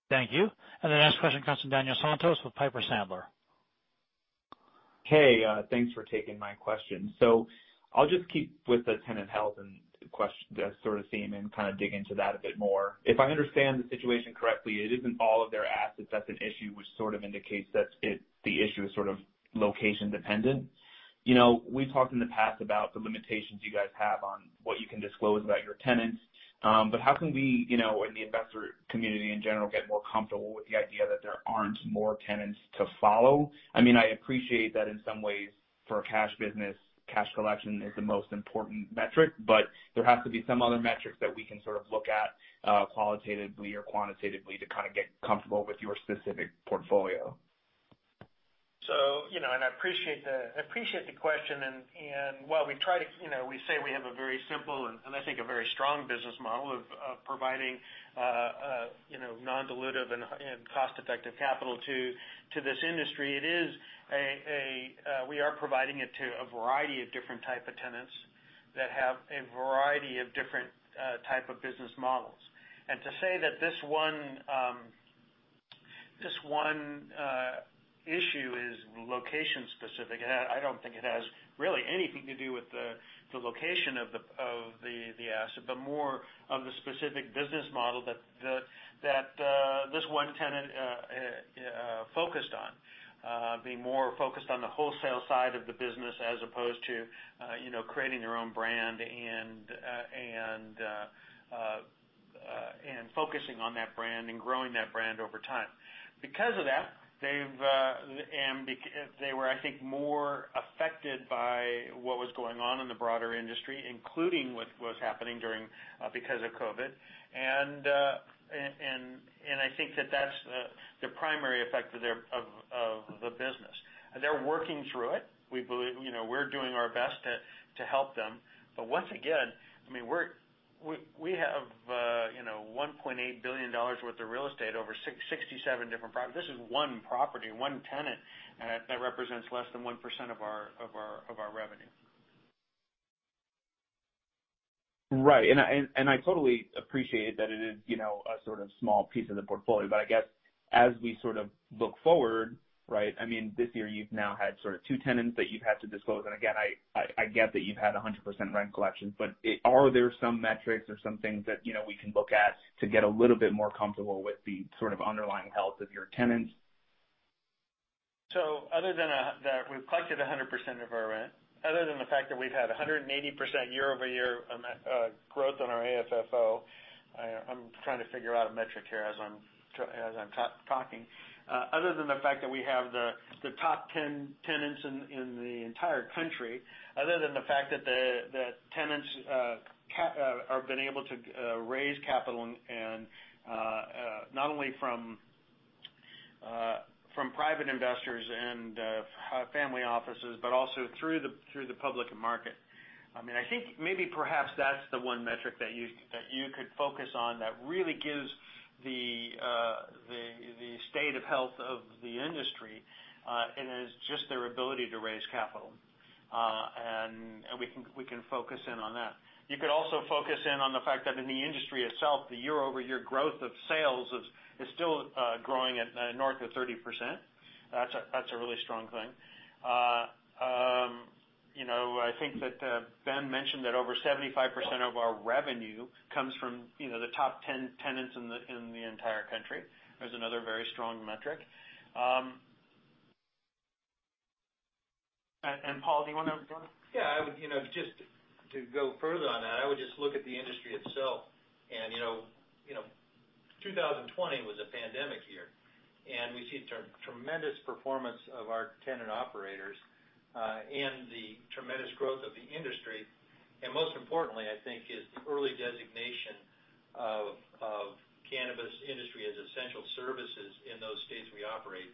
Thank you. The next question comes from Daniel Santos with Piper Sandler. Hey, thanks for taking my question. I'll just keep with the tenant health sort of theme and kind of dig into that a bit more. If I understand the situation correctly, it isn't all of their assets that's at issue, which sort of indicates that the issue is sort of location-dependent. We've talked in the past about the limitations you guys have on what you can disclose about your tenants. How can we and the investor community in general get more comfortable with the idea that there aren't more tenants to follow? I appreciate that in some ways, for a cash business, cash collection is the most important metric, but there has to be some other metrics that we can sort of look at qualitatively or quantitatively to kind of get comfortable with your specific portfolio. I appreciate the question, and while we say we have a very simple and I think a very strong business model of providing non-dilutive and cost-effective capital to this industry, we are providing it to a variety of different type of tenants that have a variety of different type of business models. To say that this one issue is location-specific, I don't think it has really anything to do with the location of the asset, but more of the specific business model that this one tenant focused on, being more focused on the wholesale side of the business as opposed to creating their own brand and focusing on that brand and growing that brand over time. Because of that, they were, I think, more affected by what was going on in the broader industry, including what was happening because of COVID. I think that that's the primary effect of the business. They're working through it. We're doing our best to help them. Once again, we have $1.8 billion worth of real estate over 67 different properties. This is one property, one tenant that represents less than one percent of our revenue. Right. I totally appreciate that it is a sort of small piece of the portfolio, but I guess as we look forward, this year you've now had two tenants that you've had to disclose, and again, I get that you've had 100% rent collection, but are there some metrics or some things that we can look at to get a little bit more comfortable with the underlying health of your tenants? Other than that we've collected 100% of our rent, other than the fact that we've had 180% year-over-year growth on our AFFO, I'm trying to figure out a metric here as I'm talking. Other than the fact that we have the top 10 tenants in the entire country, other than the fact that tenants have been able to raise capital and not only from private investors and family offices, but also through the public market. I think maybe perhaps that's the one metric that you could focus on that really gives the state of health of the industry, and is just their ability to raise capital. We can focus in on that. You could also focus in on the fact that in the industry itself, the year-over-year growth of sales is still growing at north of 30%. That's a really strong thing. I think that Ben mentioned that over 75% of our revenue comes from the top 10 tenants in the entire country. There's another very strong metric. Paul, do you want to add to that? Just to go further on that, I would just look at the industry itself. 2020 was a pandemic year, and we see tremendous performance of our tenant operators, and the tremendous growth of the industry. Most importantly, I think, is the early designation of cannabis industry as essential services in those states we operate,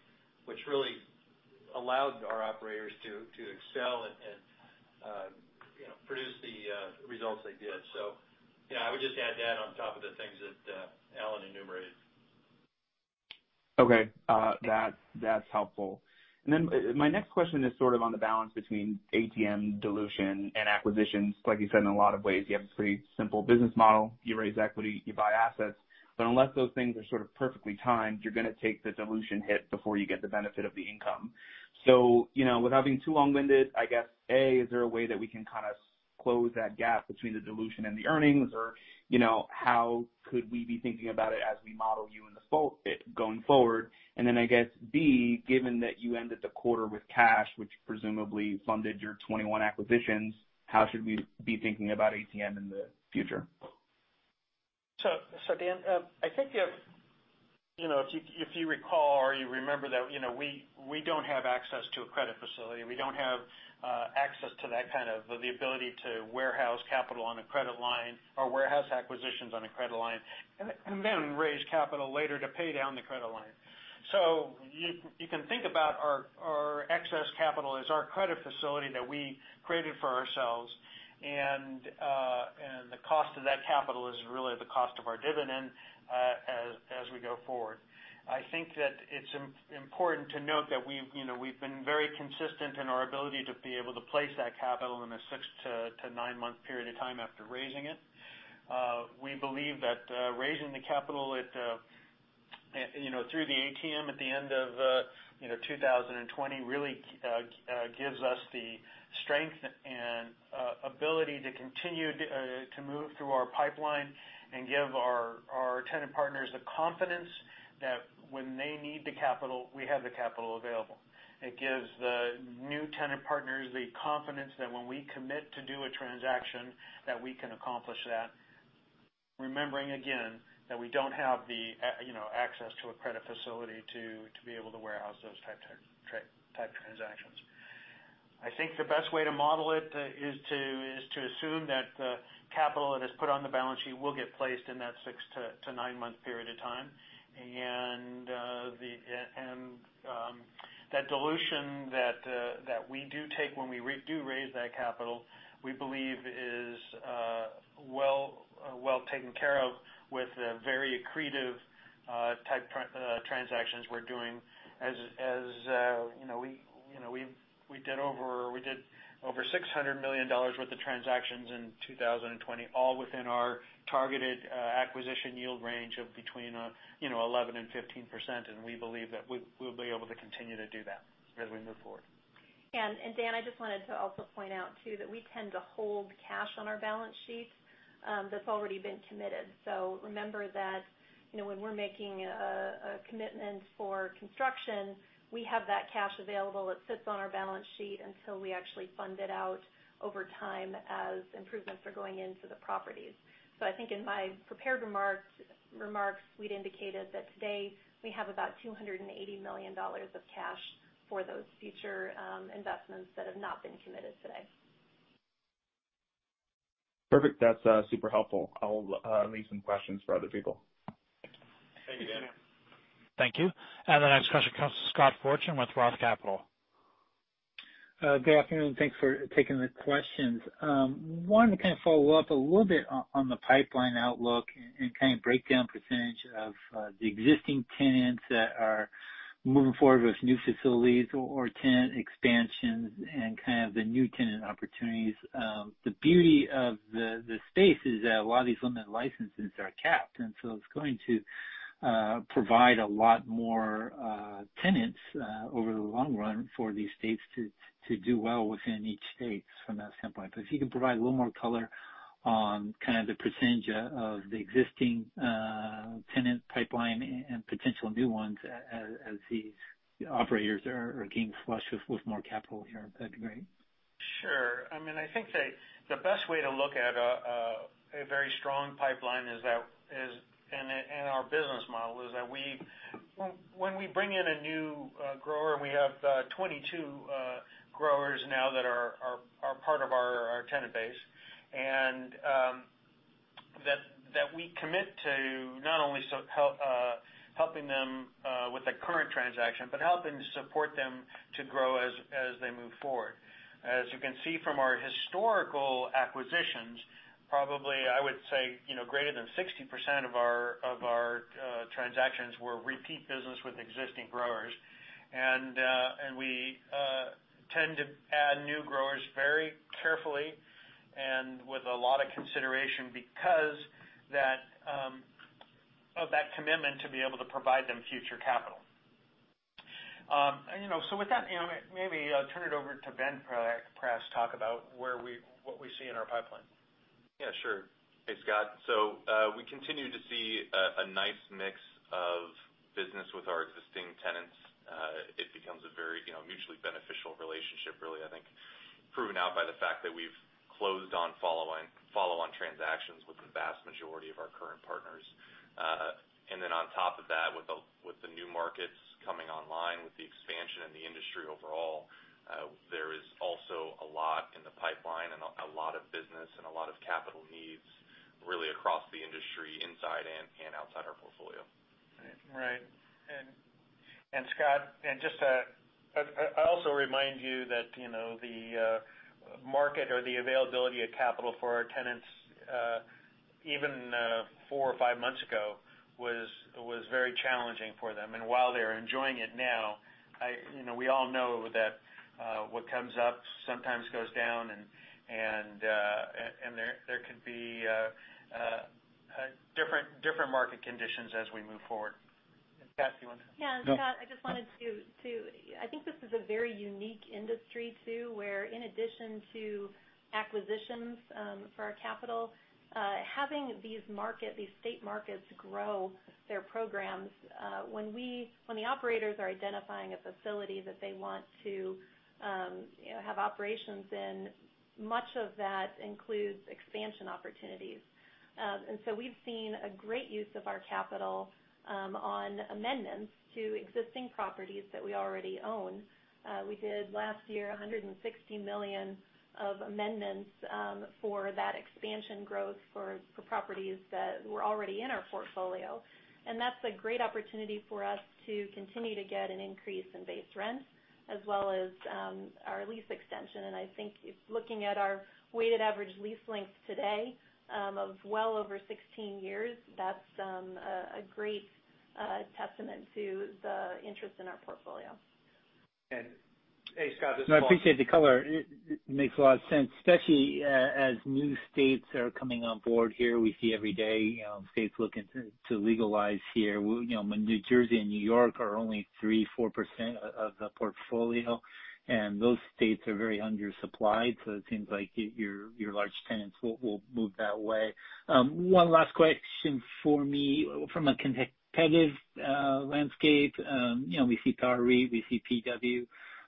which really allowed our operators to excel and produce the results they did. I would just add that on top of the things that Alan enumerated. Okay. That is helpful. My next question is on the balance between ATM dilution and acquisitions. Like you said, in a lot of ways, you have a pretty simple business model. You raise equity, you buy assets, but unless those things are sort of perfectly timed, you are going to take the dilution hit before you get the benefit of the income. Without being too long-winded, I guess, A, is there a way that we can close that gap between the dilution and the earnings or how could we be thinking about it as we model you in the forward bit going forward? Then, I guess, B, given that you ended the quarter with cash, which presumably funded your 21 acquisitions, how should we be thinking about ATM in the future? Dan, I think if you recall or you remember that we don't have access to a credit facility. We don't have access to that kind of the ability to warehouse capital on a credit line or warehouse acquisitions on a credit line, and then raise capital later to pay down the credit line. You can think about our excess capital as our credit facility that we created for ourselves, and the cost of that capital is really the cost of our dividend as we go forward. I think that it's important to note that we've been very consistent in our ability to be able to place that capital in a six- nine-month period of time after raising it. We believe that raising the capital through the ATM at the end of 2020 really gives us the strength and ability to continue to move through our pipeline and give our tenant partners the confidence that when they need the capital, we have the capital available. It gives the new tenant partners the confidence that when we commit to do a transaction, that we can accomplish that, remembering again, that we don't have the access to a credit facility to be able to warehouse those type transactions. I think the best way to model it is to assume that the capital that is put on the balance sheet will get placed in that six - nine-month period of time. That dilution that we do take when we do raise that capital, we believe is well taken care of with the very accretive type transactions we're doing. As we did over $600 million worth of transactions in 2020, all within our targeted acquisition yield range of between 11 and 15%, and we believe that we'll be able to continue to do that as we move forward. Dan, I just wanted to also point out too, that we tend to hold cash on our balance sheet that's already been committed. Remember that when we're making a commitment for construction, we have that cash available. It sits on our balance sheet until we actually fund it out over time as improvements are going into the properties. I think in my prepared remarks, we'd indicated that today we have about $280 million of cash for those future investments that have not been committed today. Perfect. That's super helpful. I'll leave some questions for other people. Thank you, Dan. Thank you. Thank you. The next question comes from Scott Fortune with Roth Capital Partners. Good afternoon. Thanks for taking the questions. Wanted to kind of follow up a little bit on the pipeline outlook and kind of break down percentage of the existing tenants that are moving forward with new facilities or tenant expansions and kind of the new tenant opportunities. The beauty of the space is that a lot of these limited licenses are capped, it's going to provide a lot more tenants over the long run for these states to do well within each state from that standpoint. If you could provide a little more color on the percentage of the existing tenant pipeline and potential new ones as these operators are getting flush with more capital here, that'd be great. Sure. I think the best way to look at a very strong pipeline in our business model is that when we bring in a new grower, and we have 22 growers now that are part of our tenant base, and that we commit to not only helping them with the current transaction, but helping support them to grow as they move forward. As you can see from our historical acquisitions, probably, I would say, greater than 60% of our transactions were repeat business with existing growers. We tend to add new growers very carefully and with a lot of consideration because of that commitment to be able to provide them future capital. With that, maybe I'll turn it over to Ben perhaps talk about what we see in our pipeline. Yeah, sure. Hey, Scott. We continue to see a nice mix of business with our existing tenants. It becomes a very mutually beneficial relationship, really, I think proven out by the fact that we've closed on follow-on transactions with the vast majority of our current partners. On top of that, with the new markets coming online, with the expansion in the industry overall, there is also a lot in the pipeline and a lot of business and a lot of capital needs really across the industry inside and outside our portfolio. Right. Scott, just to also remind you that the market or the availability of capital for our tenants, even four or five months ago, was very challenging for them. While they're enjoying it now, we all know that what comes up sometimes goes down, and there could be different market conditions as we move forward. Paul, do you want to? Yeah. Scott, I just wanted to, I think this is a very unique industry, too, where in addition to acquisitions for our capital, having these state markets grow their programs. When the operators are identifying a facility that they want to have operations in, much of that includes expansion opportunities. We've seen a great use of our capital on amendments to existing properties that we already own. We did last year, $160 million of amendments for that expansion growth for properties that were already in our portfolio. That's a great opportunity for us to continue to get an increase in base rents as well as our lease extension. I think looking at our weighted average lease length today of well over 16 years, that's a great testament to the interest in our portfolio. Hey, Scott, this is Paul. I appreciate the color. It makes a lot of sense, especially as new states are coming on board here. We see every day states looking to legalize here. New Jersey and New York are only three percent, four percent of the portfolio, and those states are very undersupplied, so it seems like your large tenants will move that way. One last question from me. From a competitive landscape, we see Power REIT, we see PW,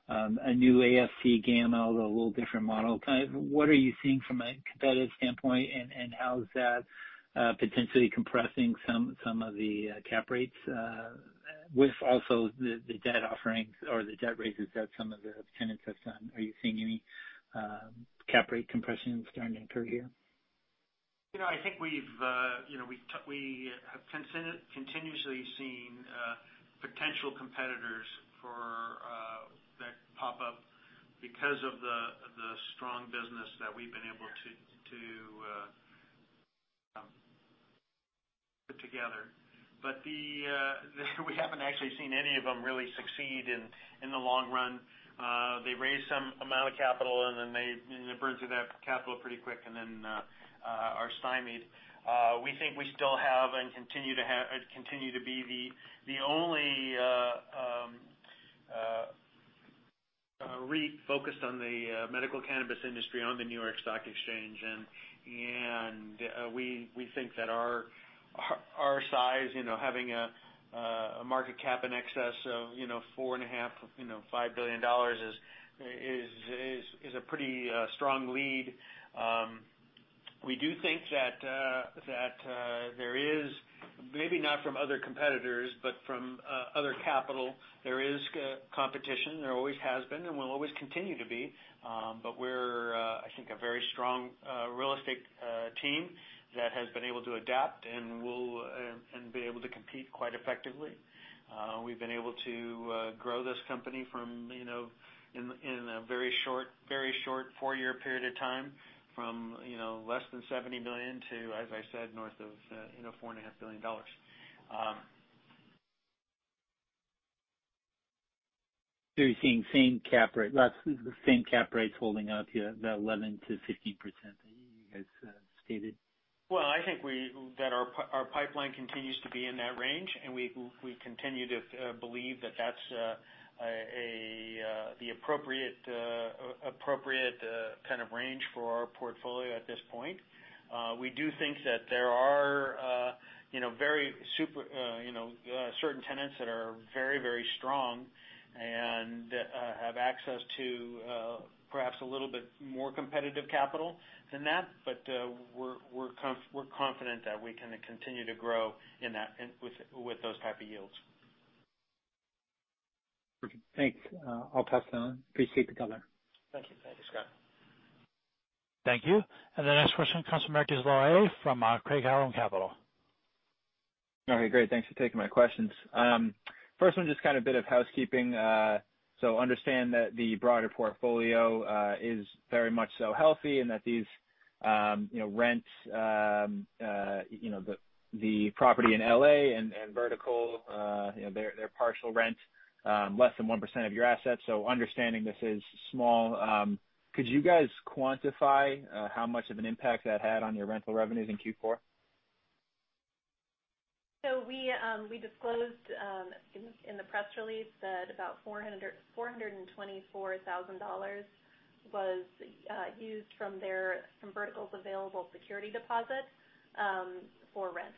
a new AFC Gamma, although a little different model. What are you seeing from a competitive standpoint, and how is that potentially compressing some of the cap rates with also the debt offerings or the debt raises that some of the tenants have done? Are you seeing any cap rate compression starting to occur here? I think we have continuously seen potential competitors that pop up because of the strong business that we've been able to put together. We haven't actually seen any of them really succeed in the long run. They raise some amount of capital, and then they burn through that capital pretty quick and then are stymied. We think we still have and continue to be the only REIT focused on the medical cannabis industry on the New York Stock Exchange. We think that our size, having a market cap in excess of $4.5 billion, $5 billion is a pretty strong lead. We do think that there is, maybe not from other competitors, but from other capital, there is competition. There always has been and will always continue to be. We're, I think, a very strong real estate team that has been able to adapt and be able to compete quite effectively. We've been able to grow this company in a very short four-year period of time from less than $70 million to, as I said, north of $4.5 billion. You're seeing same cap rates holding up, the 11%-15% that you guys stated? Well, I think that our pipeline continues to be in that range. We continue to believe that that's the appropriate kind of range for our portfolio at this point. We do think that there are certain tenants that are very, very strong and have access to perhaps a little bit more competitive capital than that. We're confident that we can continue to grow with those type of yields. Perfect. Thanks. I'll pass that on. Appreciate the color. Thank you. Thanks, Scott. Thank you. The next question comes from Marcus Loreo from Craig-Hallum Capital. Okay, great. Thanks for taking my questions. First one, just a bit of housekeeping. Understand that the broader portfolio is very much so healthy and that these rents, the property in L.A. and Vertical, their partial rent, less than one percent of your assets. Understanding this is small, could you guys quantify how much of an impact that had on your rental revenues in Q4? We disclosed, I think in the press release, that about $424,000 was used from Vertical's available security deposit for rent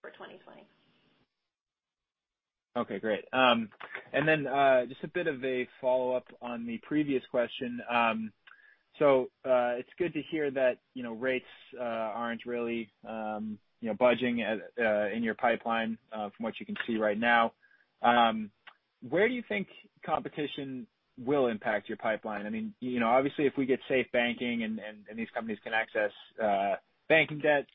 for 2020. Okay, great. Just a bit of a follow-up on the previous question. It's good to hear that rates aren't really budging in your pipeline from what you can see right now. Where do you think competition will impact your pipeline? Obviously, if we get safe banking and these companies can access banking debt,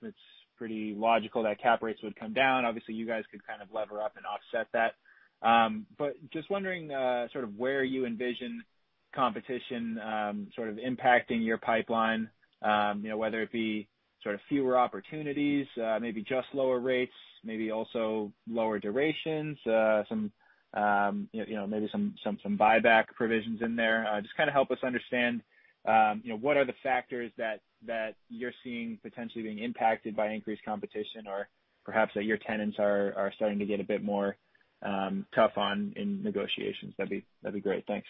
it's pretty logical that cap rates would come down. Obviously, you guys could lever up and offset that. Just wondering where you envision competition impacting your pipeline, whether it be fewer opportunities, maybe just lower rates, maybe also lower durations, maybe some buyback provisions in there. Just help us understand what are the factors that you're seeing potentially being impacted by increased competition or perhaps that your tenants are starting to get a bit more tough on in negotiations. That'd be great. Thanks.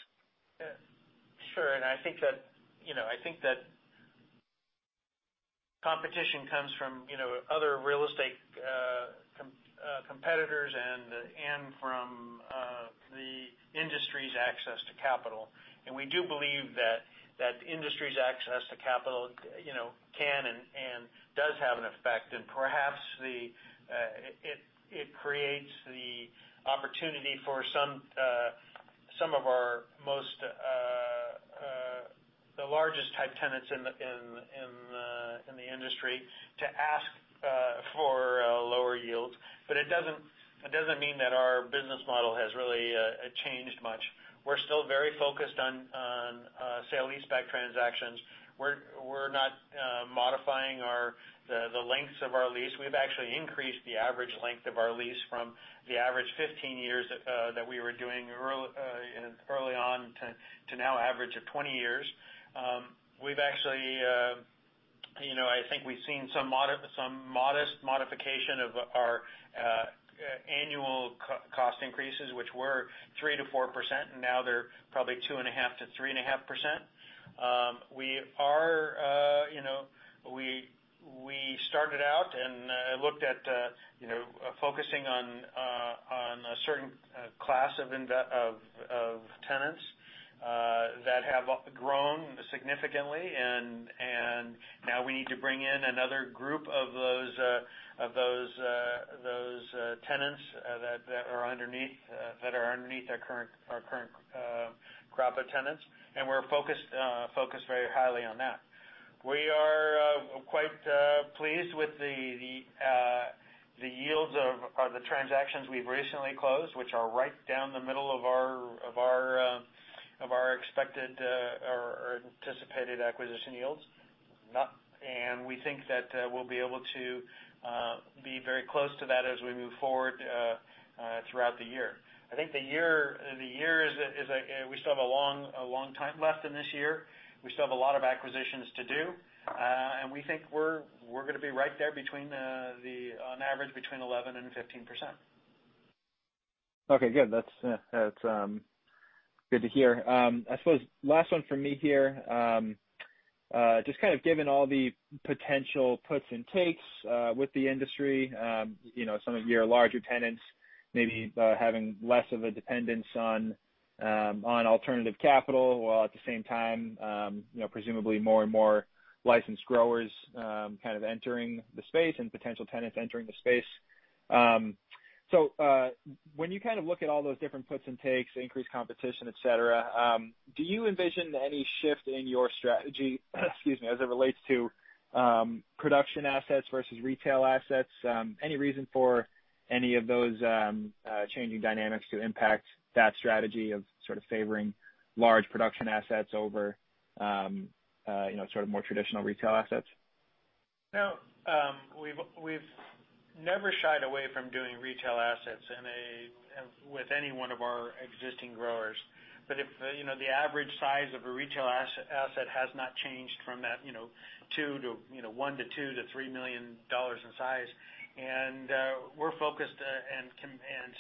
Sure. I think that competition comes from other real estate competitors and from the industry's access to capital. We do believe that industry's access to capital can and does have an effect. Perhaps it creates the opportunity for some of the largest type tenants in the industry to ask for lower yields. It doesn't mean that our business model has really changed much. We're still very focused on sale-leaseback transactions. We're not modifying the lengths of our lease. We've actually increased the average length of our lease from the average 15 years that we were doing early on to now average of 20 years. I think we've seen some modest modification of our annual cost increases, which were three percent-four percent, and now they're probably 2.5%-3.5%. We started out and looked at focusing on a certain class of tenants that have grown significantly, now we need to bring in another group of those tenants that are underneath our current crop of tenants. We're focused very highly on that. We are quite pleased with the yields of the transactions we've recently closed, which are right down the middle of our expected or anticipated acquisition yields. We think that we'll be able to be very close to that as we move forward throughout the year. I think we still have a long time left in this year. We still have a lot of acquisitions to do. We think we're going to be right there on average between 11% and 15%. Okay, good. That's good to hear. I suppose last one from me here. Just given all the potential puts and takes with the industry, some of your larger tenants maybe having less of a dependence on alternative capital, while at the same time presumably more and more licensed growers kind of entering the space and potential tenants entering the space. When you look at all those different puts and takes, increased competition, et cetera, do you envision any shift in your strategy excuse me, as it relates to production assets versus retail assets? Any reason for any of those changing dynamics to impact that strategy of favoring large production assets over more traditional retail assets? No. We've never shied away from doing retail assets with any one of our existing growers. The average size of a retail asset has not changed from that $1 million to $2 million to $3 million in size. We're focused and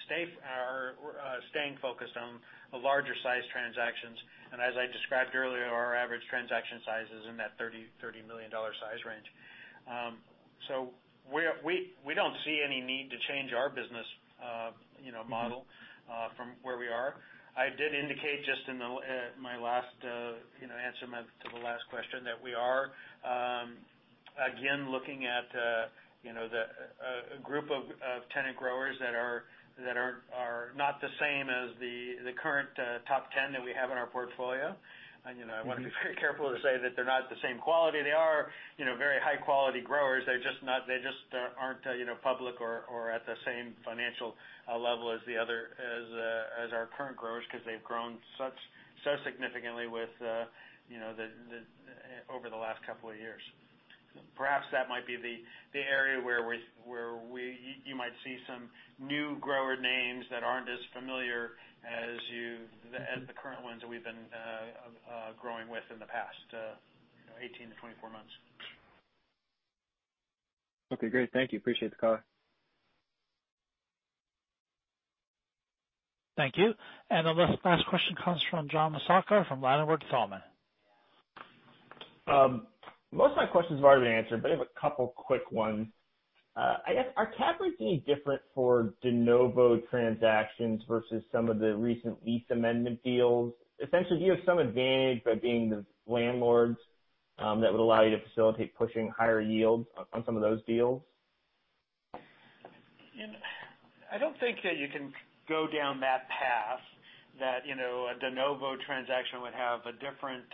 staying focused on the larger size transactions. As I described earlier, our average transaction size is in that $30 million size range. We don't see any need to change our business model from where we are. I did indicate just in my last answer to the last question that we are, again, looking at a group of tenant growers that are not the same as the current top 10 that we have in our portfolio. I want to be very careful to say that they're not the same quality. They are very high-quality growers. They just aren't public or at the same financial level as our current growers, because they've grown so significantly over the last couple of years. Perhaps that might be the area where you might see some new grower names that aren't as familiar as the current ones that we've been growing with in the past 18-24 months. Okay, great. Thank you. Appreciate the call. Thank you. The last question comes from John Massocca from Ladenburg Thalmann. Most of my questions have already been answered, but I have a couple quick ones. I guess, are cap rates any different for de novo transactions versus some of the recent lease amendment deals? Essentially, do you have some advantage by being the landlords that would allow you to facilitate pushing higher yields on some of those deals? I don't think that you can go down that path, that a de novo transaction would have a different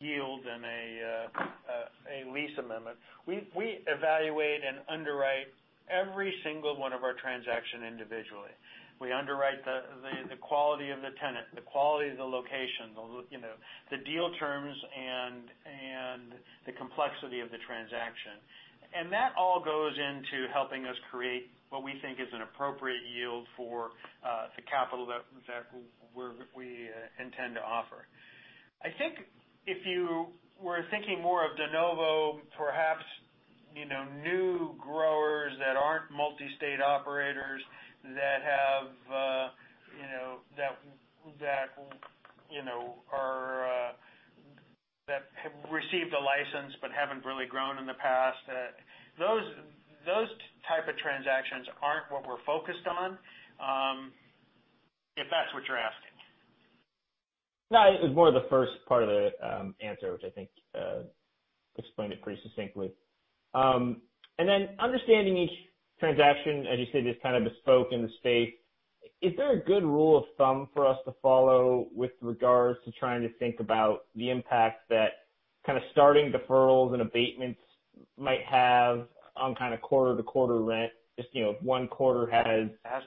yield than a lease amendment. We evaluate and underwrite every single one of our transaction individually. We underwrite the quality of the tenant, the quality of the location, the deal terms, and the complexity of the transaction. That all goes into helping us create what we think is an appropriate yield for the capital that we intend to offer. I think if you were thinking more of de novo, perhaps new growers that aren't multi-state operators that have received a license but haven't really grown in the past. Those type of transactions aren't what we're focused on, if that's what you're asking. No, it was more the first part of the answer, which I think explained it pretty succinctly. Understanding each transaction, as you said, is kind of bespoke in the state. Is there a good rule of thumb for us to follow with regards to trying to think about the impact that kind of starting deferrals and abatements might have on kind of quarter to quarter rent? Has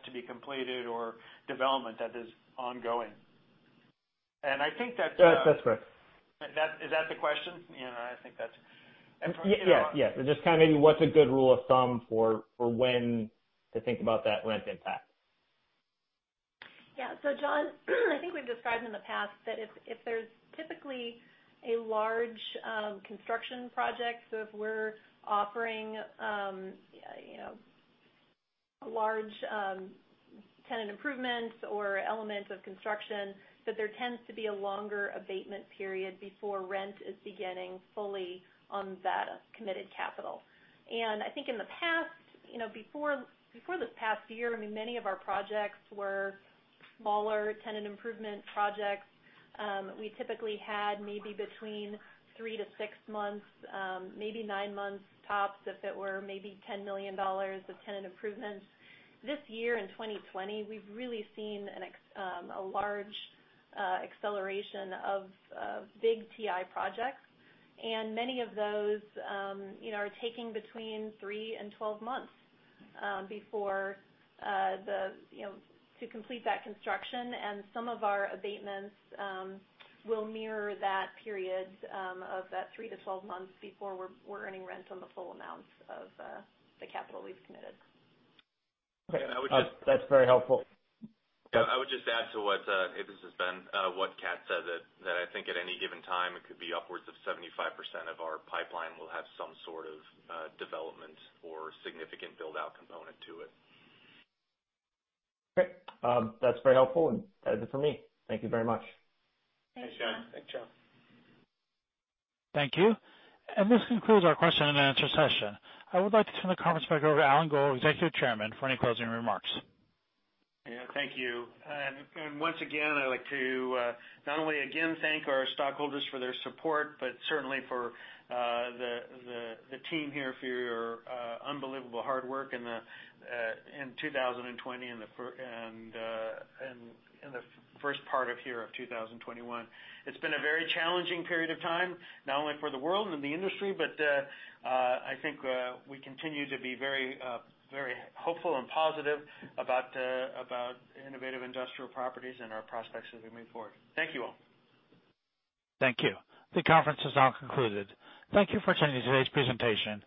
to be completed or development that is ongoing. That's correct. Is that the question? I think that's. Yeah. Just kind of maybe what's a good rule of thumb for when to think about that rent impact. Yeah. John, I think we've described in the past that if there's typically a large construction project, if we're offering a large tenant improvement or element of construction, that there tends to be a longer abatement period before rent is beginning fully on that committed capital. I think in the past, before this past year, many of our projects were smaller tenant improvement projects. We typically had maybe between three - six months, maybe nine months tops, if it were maybe $10 million of tenant improvements. This year, in 2020, we've really seen a large acceleration of big TI projects. Many of those are taking between three and 12 months to complete that construction, and some of our abatements will mirror that period of that 3- 12 months before we're earning rent on the full amount of the capital we've committed. Okay. That's very helpful. I would just add to Hey, this is Ben, what Kat said, that I think at any given time, it could be upwards of 75% of our pipeline will have some sort of development or significant build-out component to it. Great. That's very helpful, and that is it for me. Thank you very much. Thanks, John. Thanks, John. Thank you. This concludes our question and answer session. I would like to turn the conference back over to Alan Gold, Executive Chairman, for any closing remarks. Yeah. Thank you. Once again, I'd like to not only again thank our stockholders for their support, but certainly for the team here for your unbelievable hard work in 2020 and the first part of 2021. It's been a very challenging period of time, not only for the world and the industry, but I think we continue to be very hopeful and positive about Innovative Industrial Properties and our prospects as we move forward. Thank you all. Thank you. The conference is now concluded. Thank you for attending today's presentation.